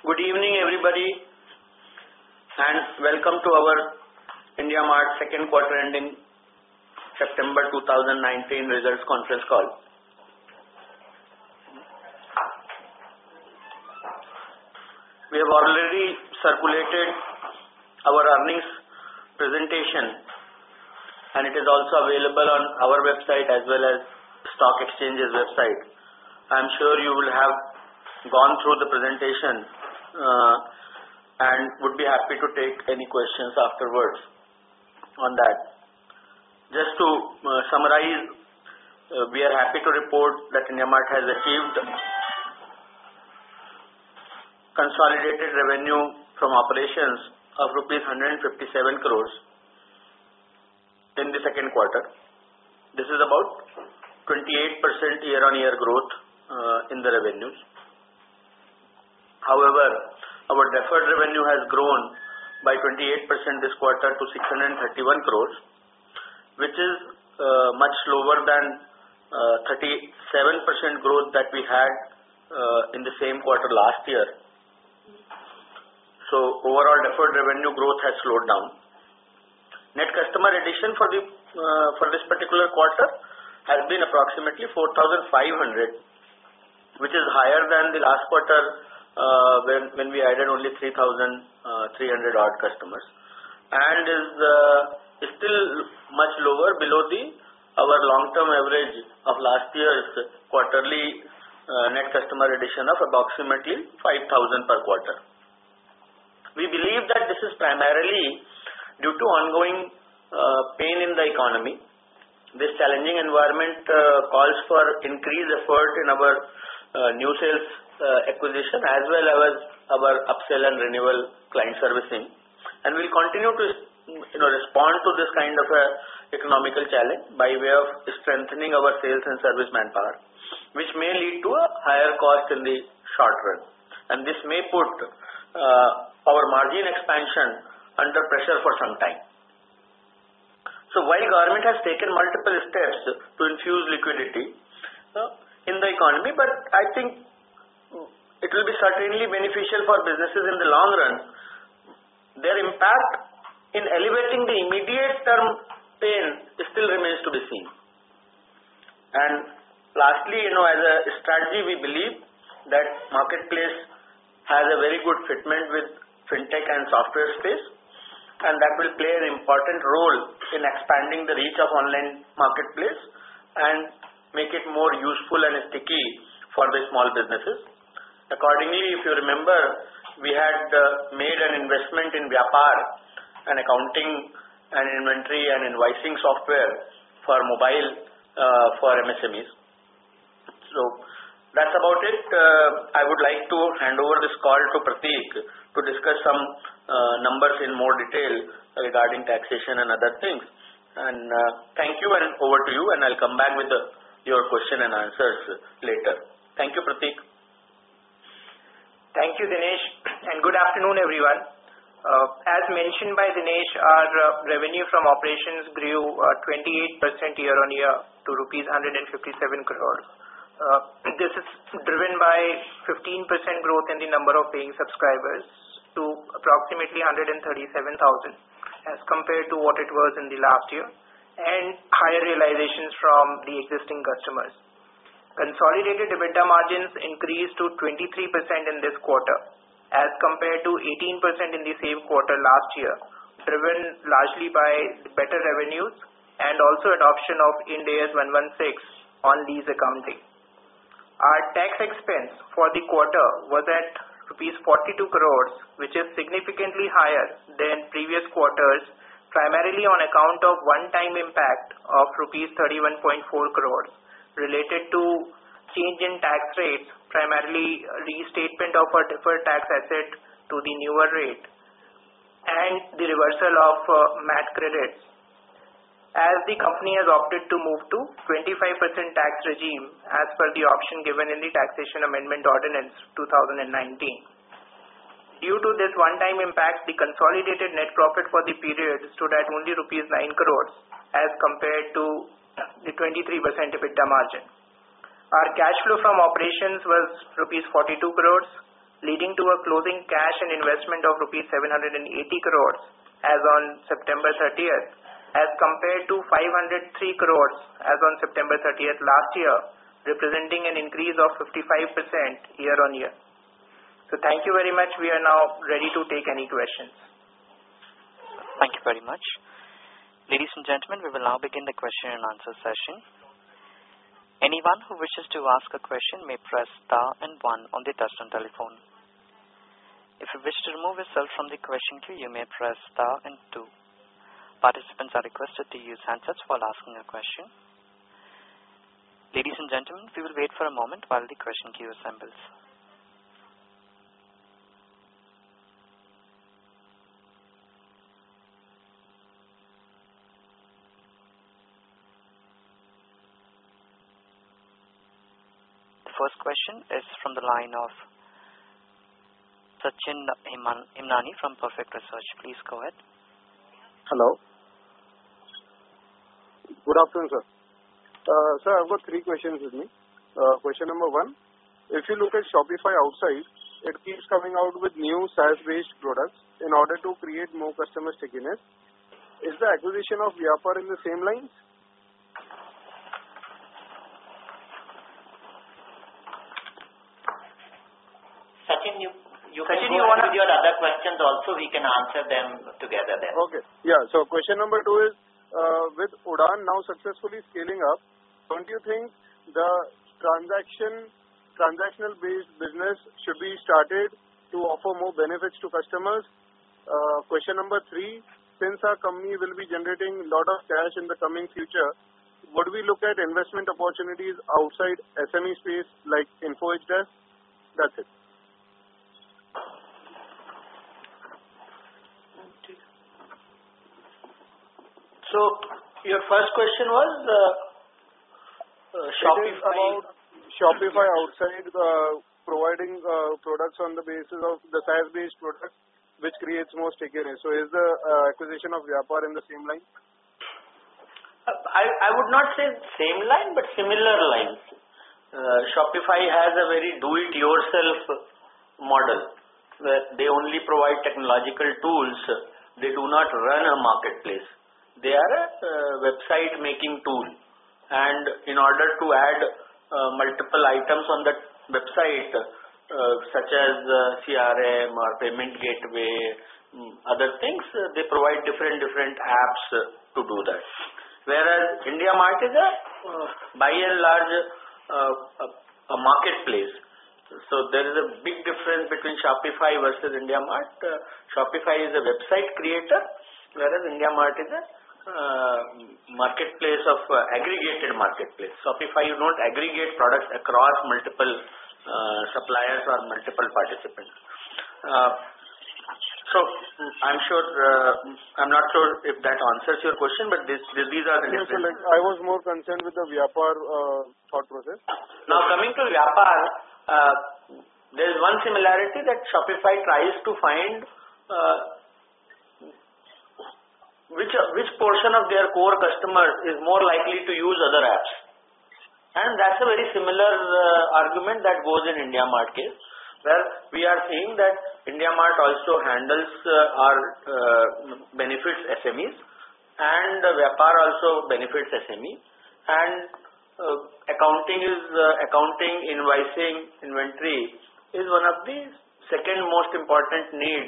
Good evening, everybody. Welcome to our IndiaMART second quarter ending September 2019 results conference call. We have already circulated our earnings presentation, and it is also available on our website as well as stock exchanges website. I am sure you will have gone through the presentation, and would be happy to take any questions afterwards on that. Just to summarize, we are happy to report that IndiaMART has achieved consolidated revenue from operations of rupees 157 crore in the second quarter. This is about 28% year-on-year growth in the revenues. However, our deferred revenue has grown by 28% this quarter to 631 crore, which is much lower than 37% growth that we had in the same quarter last year. So overall, deferred revenue growth has slowed down. Net customer addition for this particular quarter has been approximately 4,500, which is higher than the last quarter, when we added only 3,300 odd customers. And is still much lower below our long-term average of last year's quarterly net customer addition of approximately 5,000 per quarter. We believe that this is primarily due to ongoing pain in the economy. This challenging environment calls for increased effort in our new sales acquisition as well as our upsell and renewal client servicing. We'll continue to respond to this kind of a economic challenge by way of strengthening our sales and service manpower, which may lead to a higher cost in the short run. This may put our margin expansion under pressure for some time. While Government has taken multiple steps to infuse liquidity in the economy, but I think it will be certainly beneficial for businesses in the long run. Their impact in elevating the immediate term pain still remains to be seen. Lastly, as a strategy, we believe that marketplace has a very good fitment with fintech and software space, and that will play an important role in expanding the reach of online marketplace and make it more useful and sticky for the small businesses. Accordingly, if you remember, we had made an investment in Vyapar, an accounting and inventory and invoicing software for mobile for MSMEs. That's about it. I would like to hand over this call to Prateek to discuss some numbers in more detail regarding taxation and other things. Thank you, and over to you, and I'll come back with your question and answers later. Thank you, Prateek. Thank you, Dinesh. Good afternoon, everyone. As mentioned by Dinesh, our revenue from operations grew 28% year-on-year to rupees 157 crores. This is driven by 15% growth in the number of paying subscribers to approximately 137,000 as compared to what it was in the last year, and higher realizations from the existing customers. Consolidated EBITDA margins increased to 23% in this quarter as compared to 18% in the same quarter last year, driven largely by better revenues and also adoption of Ind AS 116 on lease accounting. Our tax expense for the quarter was at rupees 42 crores, which is significantly higher than previous quarters, primarily on account of one-time impact of 31.4 crores rupees related to change in tax rates, primarily restatement of a deferred tax asset to the newer rate and the reversal of MAT credits. The company has opted to move to 25% tax regime as per the option given in the Taxation Amendment Ordinance 2019. Due to this one-time impact, the consolidated net profit for the period stood at only rupees 9 crores as compared to the 23% EBITDA margin. Our cash flow from operations was rupees 42 crores, leading to a closing cash and investment of rupees 780 crores as on September 30th, as compared to 503 crores as on September 30th last year, representing an increase of 55% year-on-year. Thank you very much. We are now ready to take any questions. Thank you very much. Ladies and gentlemen, we will now begin the question and answer session. Anyone who wishes to ask a question may press star and one on the touchtone telephone. If you wish to remove yourself from the question queue, you may press star and two. Participants are requested to use handsets while asking a question. Ladies and gentlemen, we will wait for a moment while the question queue assembles. The first question is from the line of Sachin Himani from Perfect Research. Please go ahead. Hello. Good afternoon, sir. Sir, I've got three questions with me. Question number one, if you look at Shopify outside, it keeps coming out with new SaaS-based products in order to create more customer stickiness. Is the acquisition of Vyapar in the same lines? Sachin, you can go on with your other questions also. We can answer them together then. Okay. Yeah. Question number 2 is, with Udaan now successfully scaling up, don't you think the transactional-based business should be started to offer more benefits to customers? Question number 3, since our company will be generating a lot of cash in the coming future, would we look at investment opportunities outside SME space like Info Edge does? That's it. Your first question was, Shopify. It is about Shopify outside providing products on the basis of the SaaS-based product, which creates more stickiness. Is the acquisition of Vyapar in the same line? I would not say same line, but similar lines. Shopify has a very do-it-yourself model. They only provide technological tools. They do not run a marketplace. They are a website-making tool, and in order to add multiple items on that website, such as CRM or payment gateway, other things, they provide different apps to do that. IndiaMART is a by and large a marketplace. There is a big difference between Shopify versus IndiaMART. Shopify is a website creator, whereas IndiaMART is an aggregated marketplace. Shopify, you don't aggregate products across multiple suppliers or multiple participants. I'm not sure if that answers your question, but these are the differences. I was more concerned with the Vyapar thought process. Coming to Vyapar, there is one similarity that Shopify tries to find which portion of their core customers is more likely to use other apps. That's a very similar argument that goes in IndiaMART case, where we are seeing that IndiaMART also handles or benefits SMEs, and Vyapar also benefits SME. Accounting, invoicing, inventory is one of the second most important need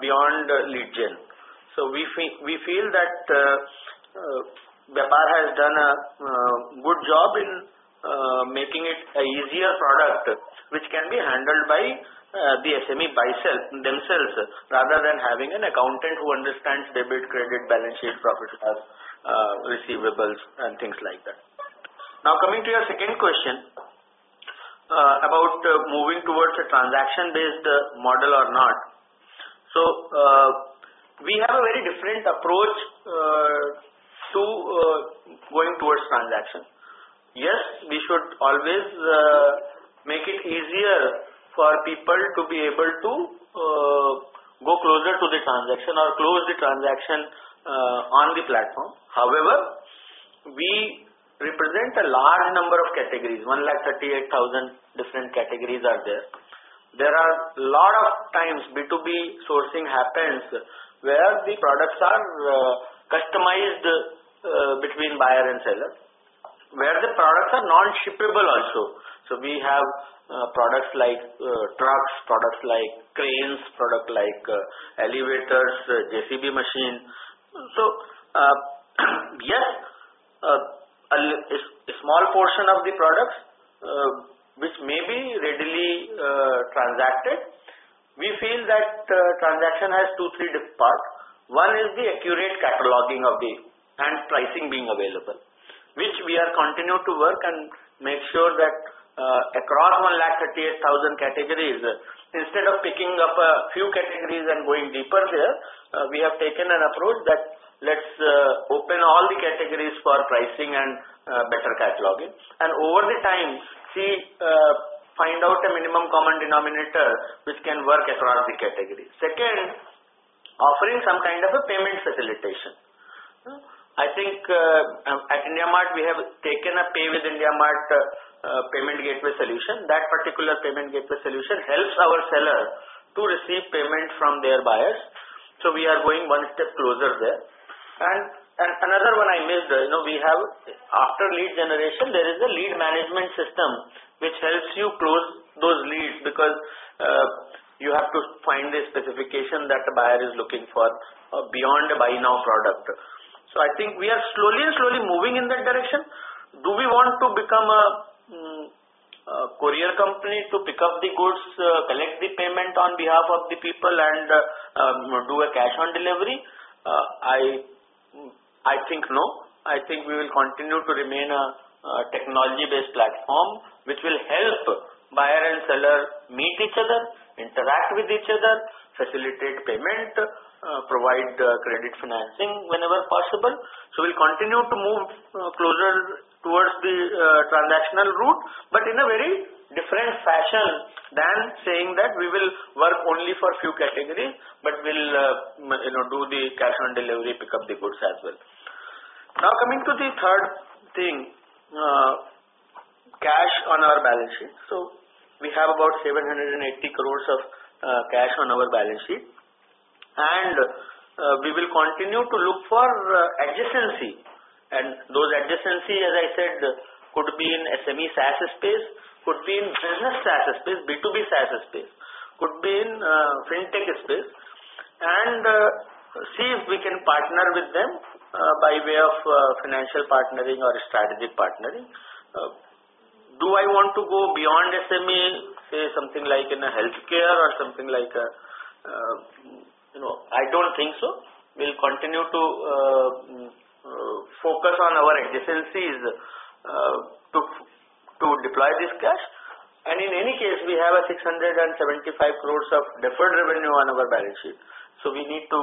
beyond lead gen. We feel that Vyapar has done a good job in making it a easier product, which can be handled by the SME themselves, rather than having an accountant who understands debit, credit, balance sheet, profit and loss, receivables, and things like that. Coming to your second question, about moving towards a transaction-based model or not. We have a very different approach to going towards transaction. Yes, we should always make it easier for people to be able to go closer to the transaction or close the transaction on the platform. We represent a large number of categories, 138,000 different categories are there. There are lot of times B2B sourcing happens where the products are customized between buyer and seller, where the products are non-shippable also. We have products like trucks, products like cranes, product like elevators, JCB machines. We feel that transaction has 2, 3 different parts. One is the accurate cataloging and pricing being available, which we are continuing to work and make sure that across 138,000 categories, instead of picking up a few categories and going deeper there, we have taken an approach that let's open all the categories for pricing and better cataloging, and over the time, find out a minimum common denominator which can work across the category. Second, offering some kind of a payment facilitation. I think at IndiaMART, we have taken a Pay with IndiaMART payment gateway solution. That particular payment gateway solution helps our seller to receive payment from their buyers. We are going one step closer there. Another one I missed, after lead generation, there is a Lead Management System which helps you close those leads because you have to find the specification that a buyer is looking for beyond a buy now product. I think we are slowly moving in that direction. Do we want to become a courier company to pick up the goods, collect the payment on behalf of the people, and do a cash on delivery? I think no. I think we will continue to remain a technology-based platform, which will help buyer and seller meet each other, interact with each other, facilitate payment, provide credit financing whenever possible. We'll continue to move closer towards the transactional route, but in a very different fashion than saying that we will work only for few categories, but we'll do the cash on delivery, pick up the goods as well. Coming to the third thing, cash on our balance sheet. We have about 780 crore of cash on our balance sheet, and we will continue to look for adjacency. Those adjacencies, as I said, could be in SME SaaS space, could be in business SaaS space, B2B SaaS space, could be in fintech space, and see if we can partner with them by way of financial partnering or strategic partnering. Do I want to go beyond SME, say something like in a healthcare or something like I don't think so. We'll continue to focus on our adjacencies to deploy this cash. In any case, we have 675 crore of deferred revenue on our balance sheet. We need to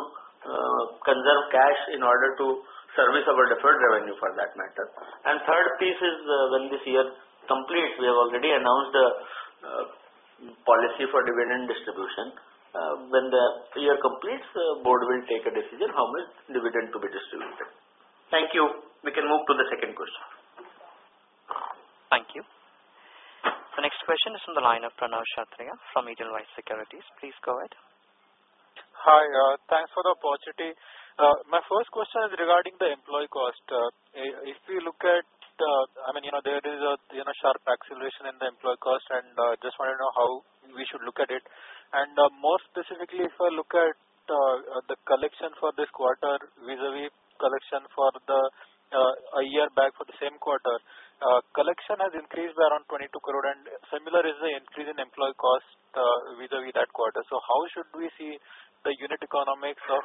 conserve cash in order to service our deferred revenue for that matter. Third piece is when this year completes, we have already announced a policy for dividend distribution. When the year completes, the board will take a decision how much dividend to be distributed. Thank you. We can move to the second question. Thank you. The next question is from the line of Pranav Kshatriya from Edelweiss Securities. Please go ahead. Hi. Thanks for the opportunity. My first question is regarding the employee cost. If we look at, there is a sharp acceleration in the employee cost, and just want to know how we should look at it. More specifically, if I look at the collection for this quarter vis-a-vis collection for a year back for the same quarter, collection has increased around 22 crore and similar is the increase in employee cost vis-a-vis that quarter. How should we see the unit economics of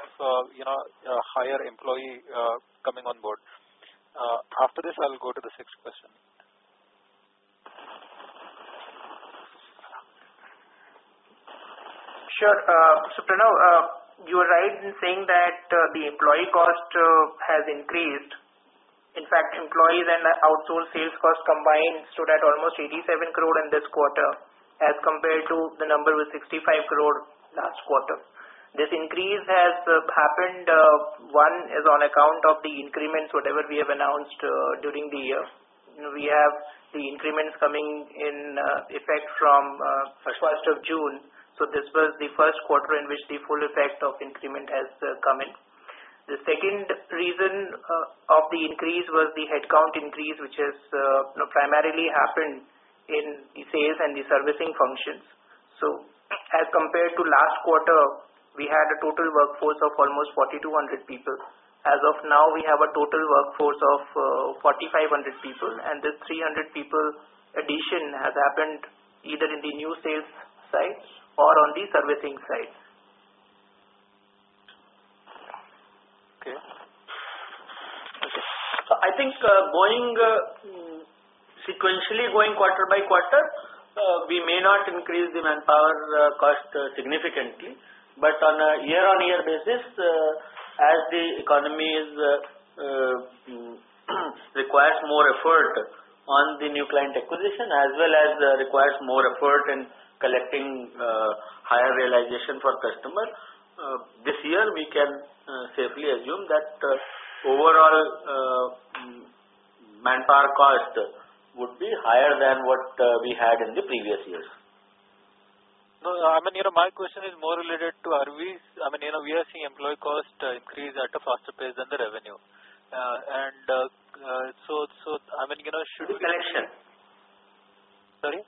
higher employee coming on board? After this, I will go to the sixth question. Sure. Pranav, you are right in saying that the employee cost has increased. In fact, employees and outsourced sales cost combined stood at almost 87 crore in this quarter as compared to the number was 65 crore last quarter. This increase has happened, one is on account of the increments, whatever we have announced during the year. We have the increments coming in effect from 1st of June. This was the first quarter in which the full effect of increment has come in. The second reason of the increase was the headcount increase, which has primarily happened in the sales and the servicing functions. As compared to last quarter, we had a total workforce of almost 4,200 people. As of now, we have a total workforce of 4,500 people and this 300 people addition has happened either in the new sales side or on the servicing side. Okay. I think sequentially going quarter by quarter, we may not increase the manpower cost significantly, but on a year-on-year basis, as the economy requires more effort on the new client acquisition as well as requires more effort in collecting higher realization for customer, this year we can safely assume that overall manpower cost would be higher than what we had in the previous years. No, my question is more related to. We are seeing employee cost increase at a faster pace than the revenue. Good connection. Sorry?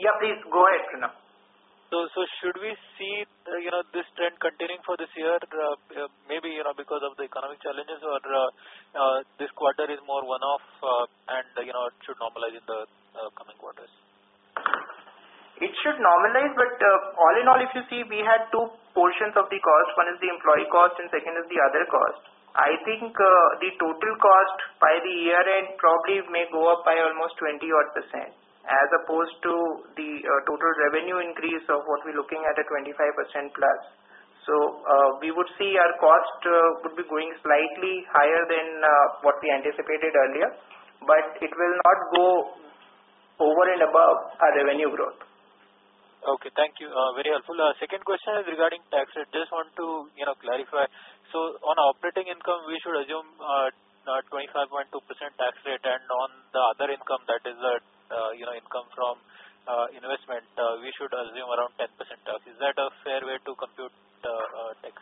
Yeah, please go ahead, Pranav. Should we see this trend continuing for this year? Maybe because of the economic challenges or this quarter is more one-off and it should normalize in the coming quarters. It should normalize, but all in all if you see, we had two portions of the cost. One is the employee cost and second is the other cost. I think the total cost by the year-end probably may go up by almost 20-odd% as opposed to the total revenue increase of what we're looking at a 25%-plus. We would see our cost could be going slightly higher than what we anticipated earlier, but it will not go over and above our revenue growth. Okay. Thank you. Very helpful. Second question is regarding tax rate. Just want to clarify. On operating income, we should assume a 25.2% tax rate and on the other income that is income from investment, we should assume around 10% tax. Is that a fair way to compute tax?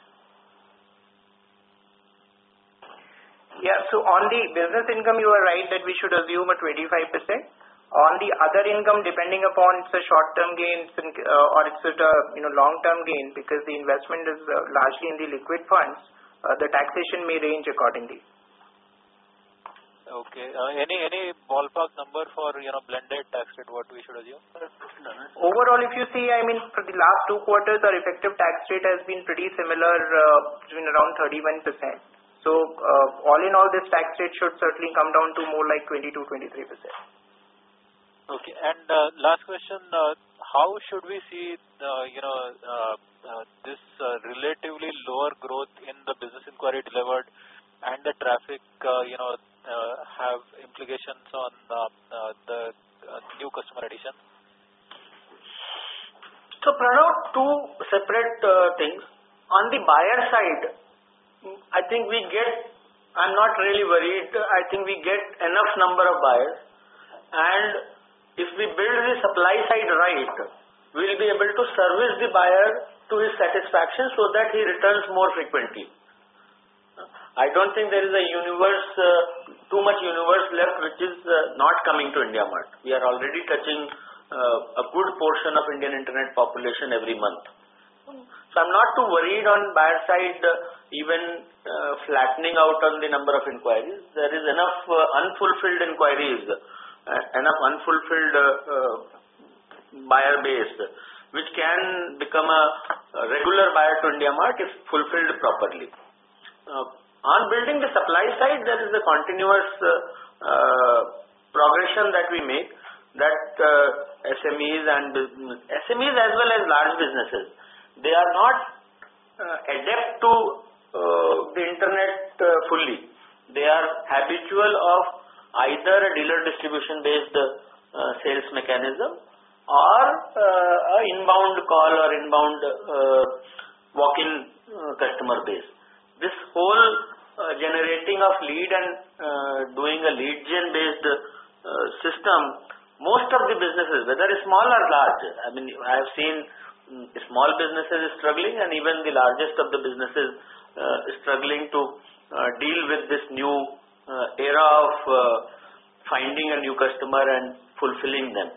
Yeah. On the business income, you are right that we should assume a 25%. On the other income, depending upon it's a short-term gains or it's a long-term gain because the investment is largely in the liquid funds, the taxation may range accordingly. Okay. Any ballpark number for blended tax rate what we should assume? Overall, if you see, for the last two quarters, our effective tax rate has been pretty similar between around 31%. All in all, this tax rate should certainly come down to more like 22%-23%. Okay. Last question. How should we see this relatively lower growth in the business inquiry delivered and the traffic have implications on the new customer addition? Pranav, two separate things. On the buyer side, I'm not really worried. I think we get enough number of buyers, and if we build the supply side right, we'll be able to service the buyer to his satisfaction so that he returns more frequently. I don't think there is too much universe left, which is not coming to IndiaMART. We are already touching a good portion of Indian internet population every month. I'm not too worried on buyer's side, even flattening out on the number of inquiries. There is enough unfulfilled inquiries, enough unfulfilled buyer base, which can become a regular buyer to IndiaMART if fulfilled properly. On building the supply side, there is a continuous progression that we make that SMEs as well as large businesses, they are not adept to the internet fully. They are habitual of either a dealer distribution-based sales mechanism or a inbound call or inbound walk-in customer base. This whole generating of lead and doing a lead gen based system, most of the businesses, whether it's small or large, I have seen small businesses struggling and even the largest of the businesses struggling to deal with this new era of finding a new customer and fulfilling them.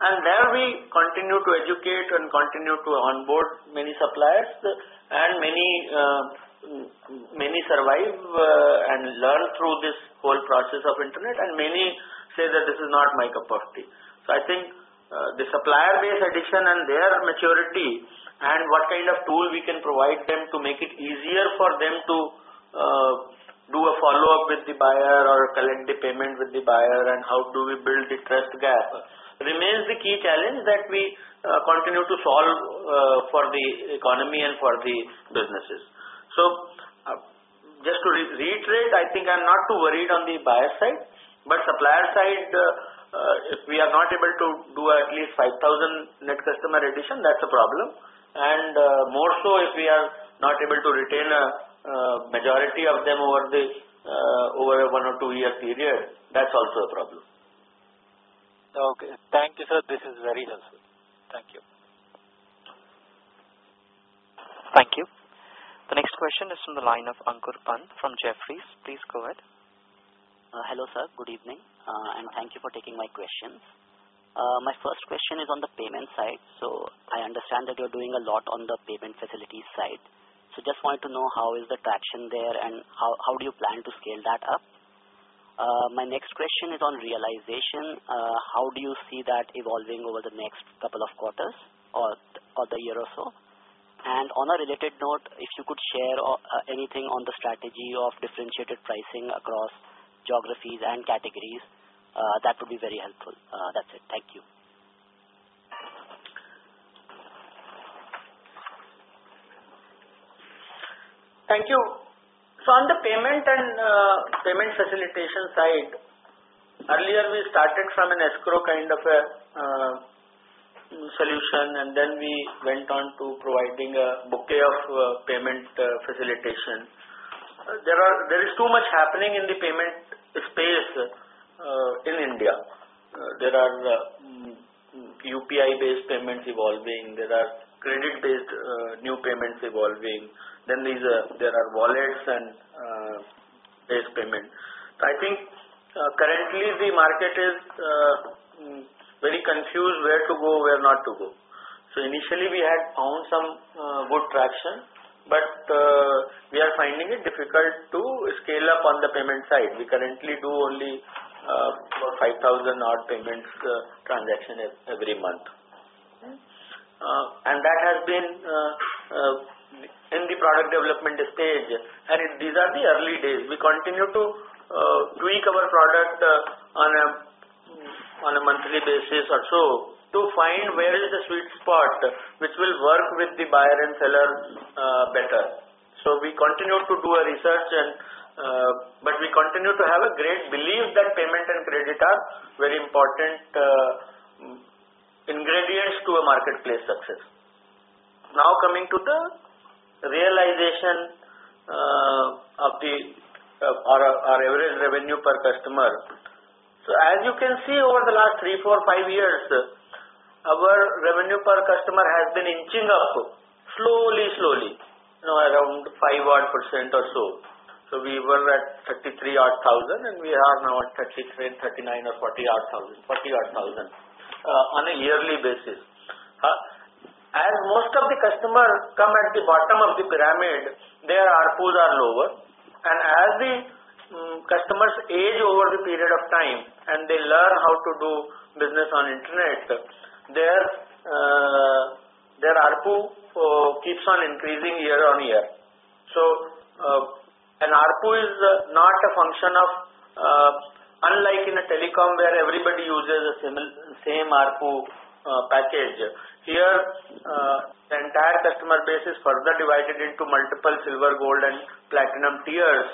There we continue to educate and continue to onboard many suppliers, and many survive and learn through this whole process of internet, and many say that this is not my cup of tea. I think, the supplier base addition and their maturity and what kind of tool we can provide them to make it easier for them to do a follow-up with the buyer or collect the payment with the buyer and how do we build the trust gap remains the key challenge that we continue to solve for the economy and for the businesses. Just to reiterate, I think I'm not too worried on the buyer side, but supplier side, if we are not able to do at least 5,000 net customer addition, that's a problem. More so if we are not able to retain a majority of them over a one or two-year period, that's also a problem. Okay. Thank you, sir. This is very helpful. Thank you. Thank you. The next question is from the line of Ankur Pan from Jefferies. Please go ahead. Hello, sir. Good evening, and thank you for taking my questions. My first question is on the payment side. I understand that you're doing a lot on the payment facilities side. Just wanted to know how is the traction there and how do you plan to scale that up? My next question is on realization. How do you see that evolving over the next couple of quarters or the year or so? On a related note, if you could share anything on the strategy of differentiated pricing across geographies and categories, that would be very helpful. That's it. Thank you. Thank you. On the payment and payment facilitation side, earlier we started from an escrow kind of a solution, and then we went on to providing a bouquet of payment facilitation. There is too much happening in the payment space in India. There are UPI based payments evolving, there are credit based new payments evolving, there are wallets and base payment. I think currently the market is very confused where to go, where not to go. Initially we had found some good traction, but we are finding it difficult to scale up on the payment side. We currently do only about 5,000 odd payments transaction every month. That has been in the product development stage. These are the early days. We continue to tweak our product on a monthly basis or so to find where is the sweet spot which will work with the buyer and seller better. We continue to do a research, but we continue to have a great belief that payment and credit are very important ingredients to a marketplace success. Coming to the realization of our average revenue per customer. As you can see over the last three, four, five years, our revenue per customer has been inching up slowly. Around five odd % or so. We were at 33,000 odd, and we are now at 33,000, 39,000 or 40,000 odd on a yearly basis. As most of the customers come at the bottom of the pyramid, their ARPUs are lower. As the customers age over the period of time and they learn how to do business on internet, their ARPU keeps on increasing year on year. An ARPU is not a function of telecom where everybody uses the same ARPU package. Here, the entire customer base is further divided into multiple silver, gold, and platinum tiers,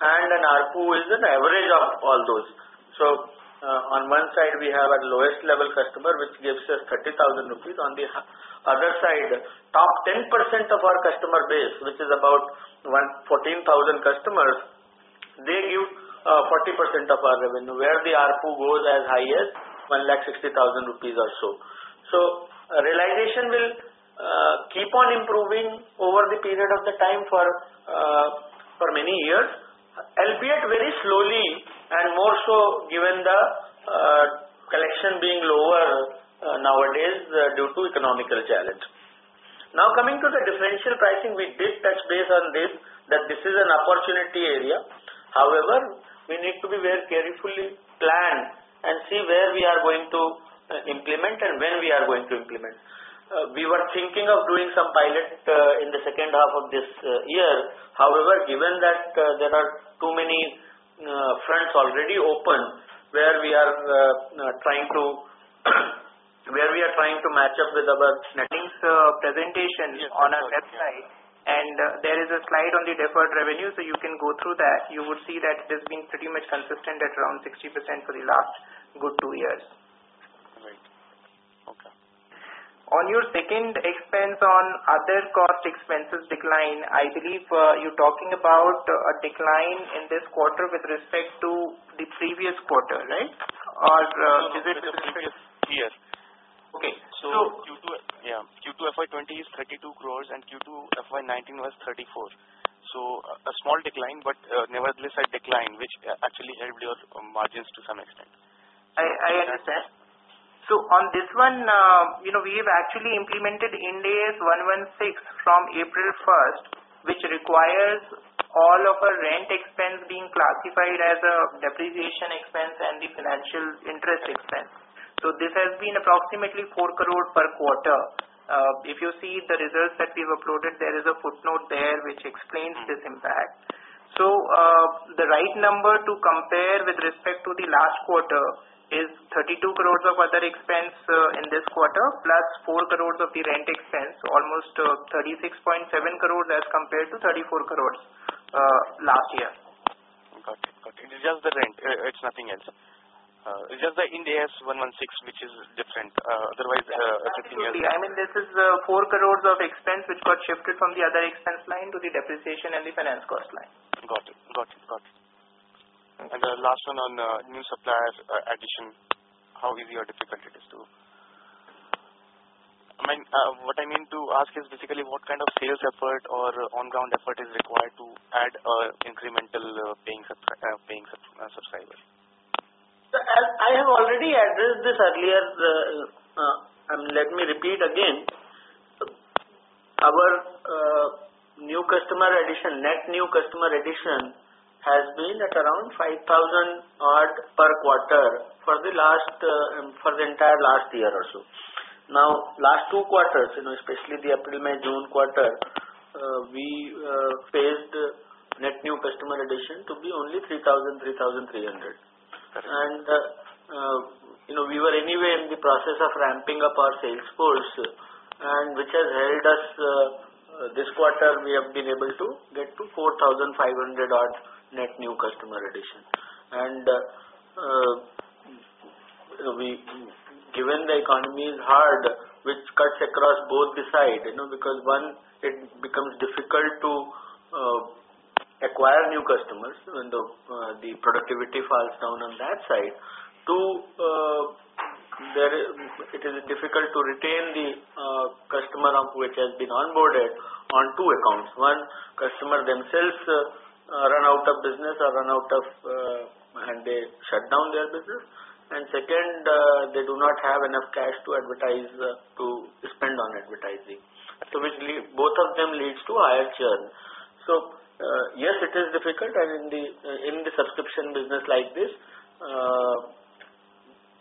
and an ARPU is an average of all those. On one side, we have our lowest level customer, which gives us 30,000 rupees. On the other side, top 10% of our customer base, which is about 14,000 customers, they give 40% of our revenue, where the ARPU goes as high as 160,000 rupees or so. Realization will keep on improving over the period of the time for many years, albeit very slowly and more so given the collection being lower nowadays due to economic challenge. Coming to the differential pricing, we did touch base on this, that this is an opportunity area. We need to very carefully plan and see where we are going to implement and when we are going to implement. We were thinking of doing some pilot in the second half of this year. Given that there are too many fronts already open where we are trying to match up with our Presentation on our website, there is a slide on the deferred revenue, you can go through that. You would see that it has been pretty much consistent at around 60% for the last good two years. Right. Okay. On your second expense on other cost expenses decline, I believe you're talking about a decline in this quarter with respect to the previous quarter, right? With respect to year? Okay. Q2 FY 2020 is 32 crore, and Q2 FY 2019 was 34 crore. A small decline, but nevertheless, a decline, which actually helped your margins to some extent. I understand. On this one, we've actually implemented Ind AS 116 from April 1st, which requires all of our rent expense being classified as a depreciation expense and the financial interest expense. This has been approximately 4 crore per quarter. If you see the results that we've uploaded, there is a footnote there which explains this impact. The right number to compare with respect to the last quarter is 32 crore of other expense in this quarter, plus 4 crore of the rent expense, almost 36.7 crore as compared to 34 crore last year. Got it. It is just the rent. It's nothing else. It's just the Ind AS 116, which is different. Absolutely. This is 4 crores of expense which got shifted from the other expense line to the depreciation and the finance cost line. Got it. The last one on new suppliers addition, what I mean to ask is basically what kind of sales effort or on-ground effort is required to add incremental paying subscribers. I have already addressed this earlier. Let me repeat again. Our net new customer addition has been at around 5,000 odd per quarter for the entire last year or so. Now, last two quarters, especially the April, May, June quarter, we faced net new customer addition to be only 3,000, 3,300. We were anyway in the process of ramping up our sales force, and which has helped us. This quarter, we have been able to get to 4,500 odd net new customer addition. Given the economy is hard, which cuts across both the side, because, one, it becomes difficult to acquire new customers and the productivity falls down on that side. Two, it is difficult to retain the customer which has been onboarded on two accounts. One, customer themselves run out of business or they shut down their business. Second, they do not have enough cash to spend on advertising. Basically, both of them leads to higher churn. Yes, it is difficult, and in the subscription business like this,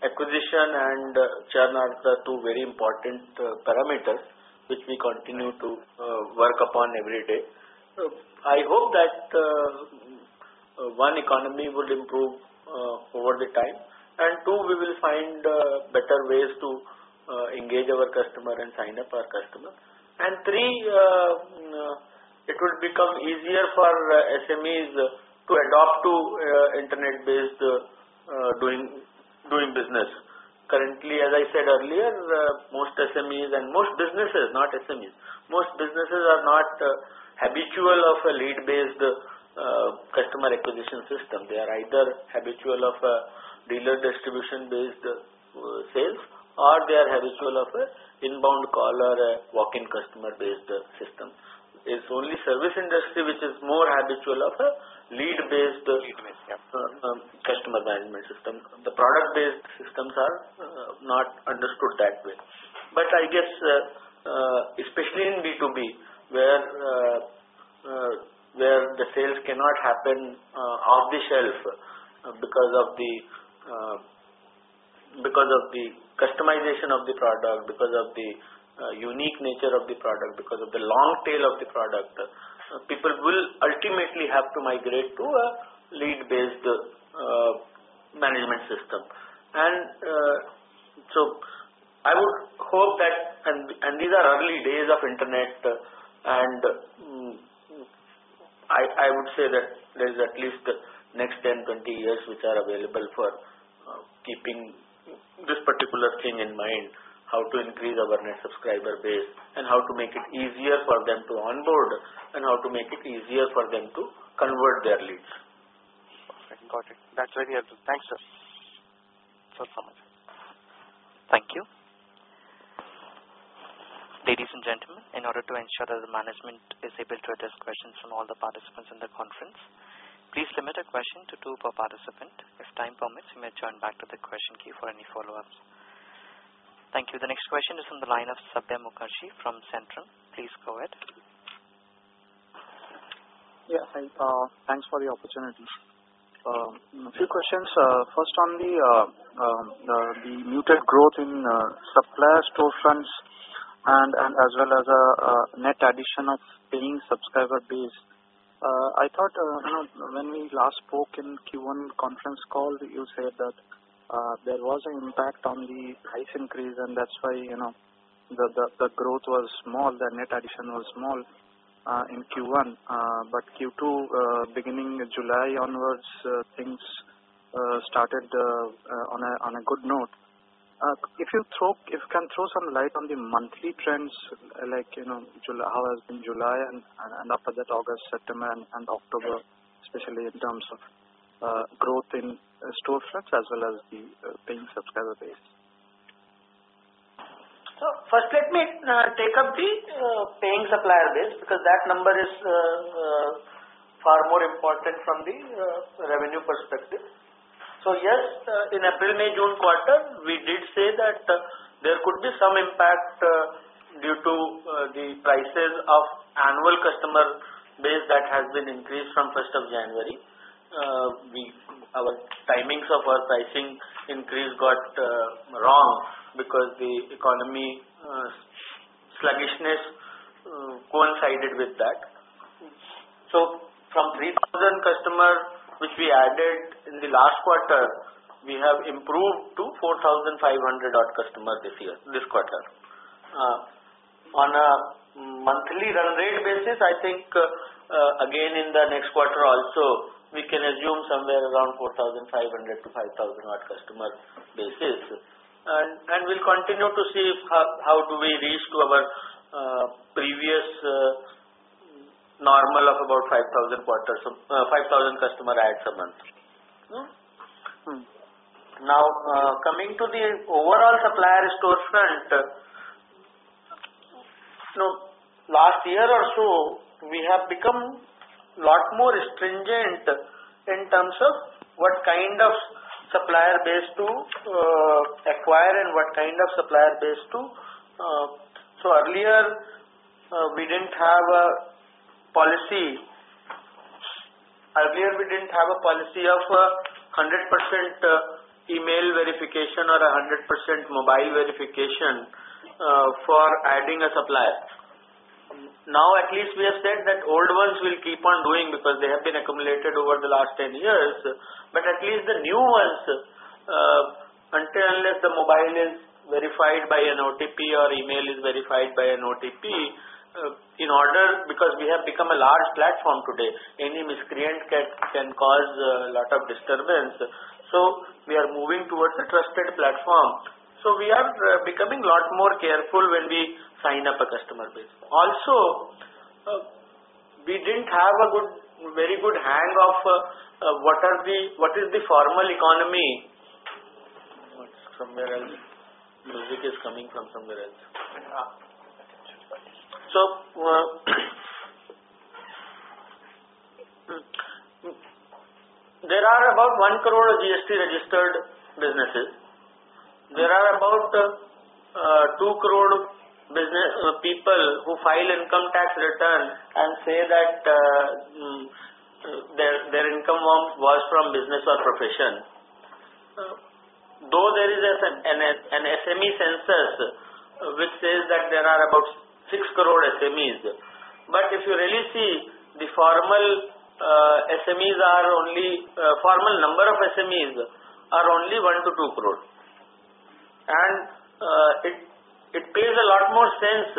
acquisition and churn are the two very important parameters which we continue to work upon every day. I hope that, one, economy will improve over the time, and two, we will find better ways to engage our customer and sign up our customer. Three, it will become easier for SMEs to adopt to internet-based doing business. Currently, as I said earlier, most SMEs and most businesses, not SMEs, most businesses are not habitual of a lead-based customer acquisition system. They are either habitual of a dealer distribution-based sales, or they are habitual of inbound call or walk-in customer-based system. It's only service industry which is more habitual of a lead-based, yeah customer management system. The product-based systems are not understood that way. I guess, especially in B2B, where the sales cannot happen off the shelf because of the customization of the product, because of the unique nature of the product, because of the long tail of the product, people will ultimately have to migrate to a lead-based management system. I would hope that, and these are early days of internet, and I would say that there's at least the next 10, 20 years which are available for keeping this particular thing in mind, how to increase our net subscriber base and how to make it easier for them to onboard and how to make it easier for them to convert their leads. Perfect. Got it. That's very helpful. Thanks, sir. Sure, [Ankur] Thank you. Ladies and gentlemen, in order to ensure that the management is able to address questions from all the participants in the conference, please limit a question to two per participant. If time permits, you may join back to the question queue for any follow-ups. Thank you. The next question is from the line of Satyamukhee Mukherjee from Centrum. Please go ahead. Yeah. Thanks for the opportunity. A few questions. First on the muted growth in supplier storefronts and as well as net addition of paying subscriber base. I thought when we last spoke in Q1 conference call, you said that there was an impact on the price increase and that's why the growth was small, the net addition was small in Q1. Q2, beginning July onwards, things started on a good note. If you can throw some light on the monthly trends like how has been July and after that August, September, and October, especially in terms of growth in storefronts as well as the paying subscriber base? First, let me take up the paying supplier base, because that number is far more important from the revenue perspective. Yes, in April, May, June quarter, we did say that there could be some impact due to the prices of annual customer base that has been increased from 1st of January. Our timings of our pricing increase got wrong because the economy sluggishness coincided with that. From 3,000 customers which we added in the last quarter, we have improved to 4,500 odd customers this quarter. On a monthly run rate basis, I think, again, in the next quarter also, we can assume somewhere around 4,500 to 5,000 odd customer basis. We'll continue to see how do we reach to our previous normal of about 5,000 customer adds a month. Coming to the overall supplier storefront. Last year or so, we have become a lot more stringent in terms of what kind of supplier base to acquire. Earlier, we didn't have a policy of 100% email verification or 100% mobile verification for adding a supplier. At least we have said that old ones will keep on doing because they have been accumulated over the last 10 years. At least the new ones, until and unless the mobile is verified by an OTP or email is verified by an OTP, in order, because we have become a large platform today. Any miscreant can cause a lot of disturbance. We are moving towards a trusted platform. We are becoming a lot more careful when we sign up a customer base. We didn't have a very good hang of what is the formal economy. Some music is coming from somewhere else. There are about 1 crore GST-registered businesses. There are about 2 crore people who file income tax returns and say that their income was from business or profession. There is an SME census which says that there are about 6 crore SMEs, but if you really see, the formal number of SMEs are only 1 to 2 crore. It makes a lot more sense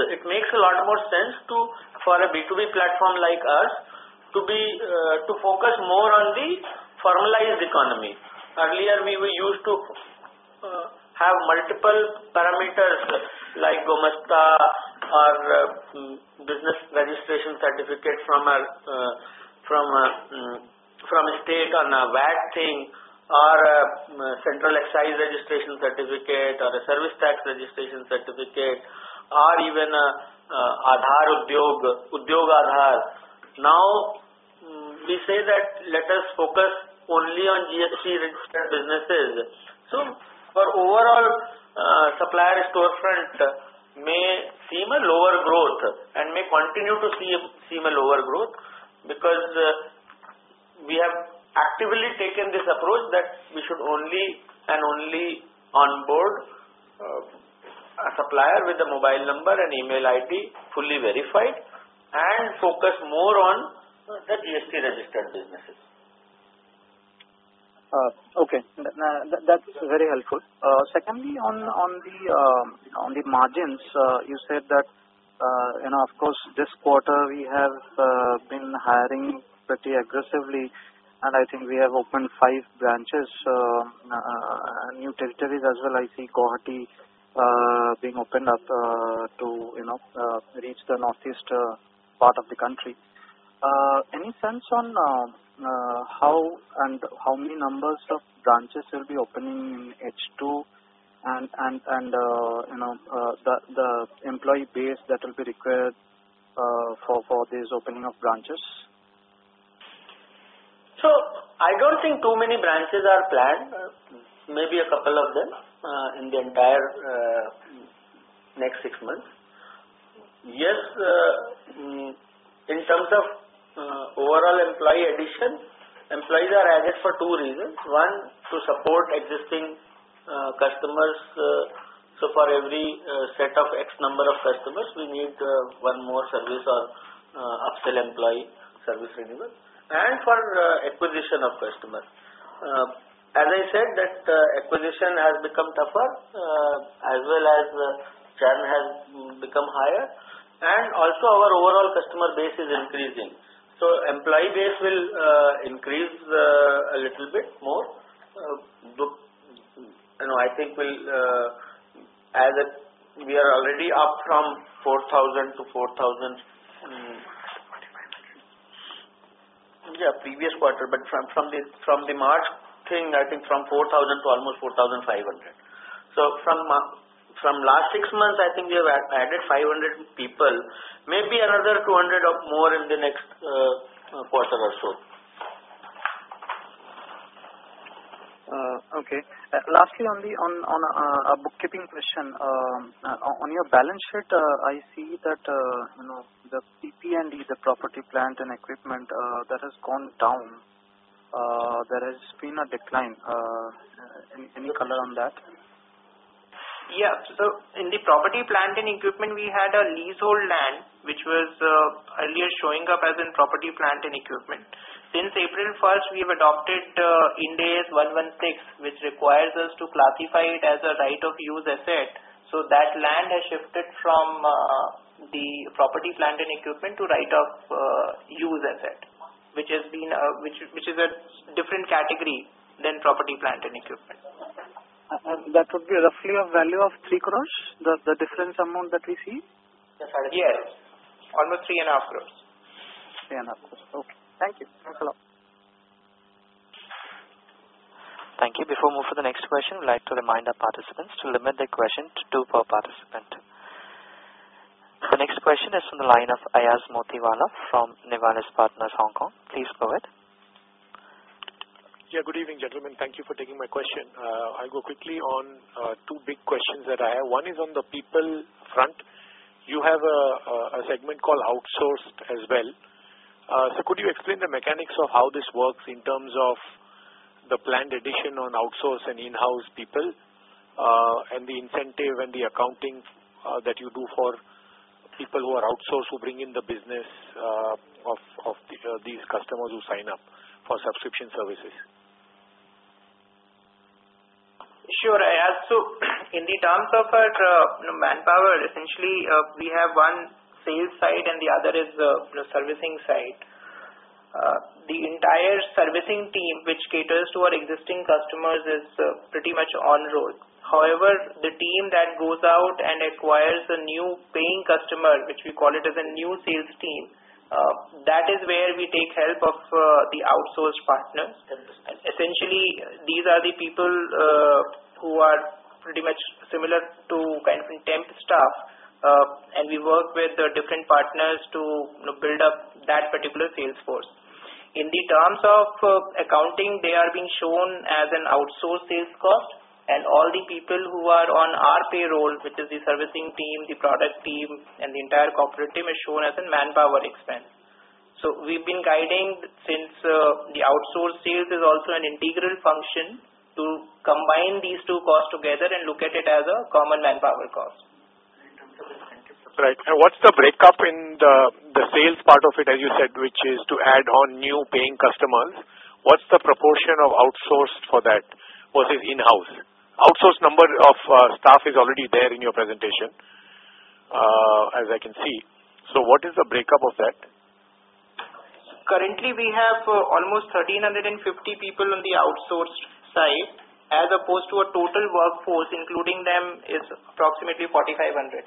for a B2B platform like us to focus more on the formalized economy. Earlier, we used to have multiple parameters like Gumasta or business registration certificate from a state on a VAT thing, or a central excise registration certificate or a service tax registration certificate, or even Udyog Aadhaar. We say that let us focus only on GST-registered businesses. For overall supplier storefront, and may continue to see a lower growth because we have actively taken this approach that we should only and only onboard a supplier with a mobile number and email ID fully verified and focus more on the GST registered businesses. Okay. That's very helpful. Secondly, on the margins, you said that, of course, this quarter we have been hiring pretty aggressively, and I think we have opened five branches, new territories as well. I see Guwahati being opened up to reach the Northeast part of the country. Any sense on how and how many numbers of branches you'll be opening in H2, and the employee base that will be required for this opening of branches? I don't think too many branches are planned. Maybe a couple of them in the entire next 6 months. In terms of overall employee addition, employees are added for two reasons. One, to support existing customers. For every set of X number of customers, we need one more service or upsell employee service enable, and for acquisition of customer. As I said that acquisition has become tougher, as well as churn has become higher, and also our overall customer base is increasing. Employee base will increase a little bit more. I think we are already up from 4,000 to almost 4,500. From last 6 months, I think we've added 500 people, maybe another 200 or more in the next quarter or so. Lastly, on a bookkeeping question. On your balance sheet, I see that the PP&E, the property, plant, and equipment, that has gone down. There has been a decline. Any color on that? In the property, plant, and equipment, we had a leasehold land, which was earlier showing up as in property, plant, and equipment. Since April 1st, we've adopted Ind AS 116, which requires us to classify it as a right of use asset. That land has shifted from the property, plant, and equipment to right of use asset, which is a different category than property, plant, and equipment. That would be roughly a value of 3 crore, the difference amount that we see? Yes. Almost 3.5 crores. Three and a half crores. Okay. Thank you. Thank you. Before we move to the next question, I'd like to remind our participants to limit their question to two per participant. The next question is from the line of Ayaz Motiwala from Nivalis Partners, Hong Kong. Please go ahead. Good evening, gentlemen. Thank you for taking my question. I'll go quickly on two big questions that I have. One is on the people front. You have a segment called outsourced as well. Could you explain the mechanics of how this works in terms of the planned addition on outsource and in-house people, and the incentive and the accounting that you do for people who are outsourced who bring in the business of these customers who sign up for subscription services? Sure, Ayaz. In the terms of our manpower, essentially, we have one sales side and the other is the servicing side. The entire servicing team, which caters to our existing customers, is pretty much on roll. However, the team that goes out and acquires a new paying customer, which we call it as a new sales team, that is where we take help of the outsourced partners. Essentially, these are the people who are pretty much similar to kind of temp staff, and we work with different partners to build up that particular sales force. In the terms of accounting, they are being shown as an outsource sales cost and all the people who are on our payroll, which is the servicing team, the product team, and the entire corporate team, is shown as a manpower expense. We've been guiding since the outsource sales is also an integral function to combine these two costs together and look at it as a common manpower cost. Right. What's the breakup in the sales part of it, as you said, which is to add on new paying customers? What's the proportion of outsourced for that versus in-house? Outsource number of staff is already there in your presentation, as I can see. What is the breakup of that? Currently, we have almost 1,350 people on the outsourced side, as opposed to a total workforce, including them, is approximately 4,500.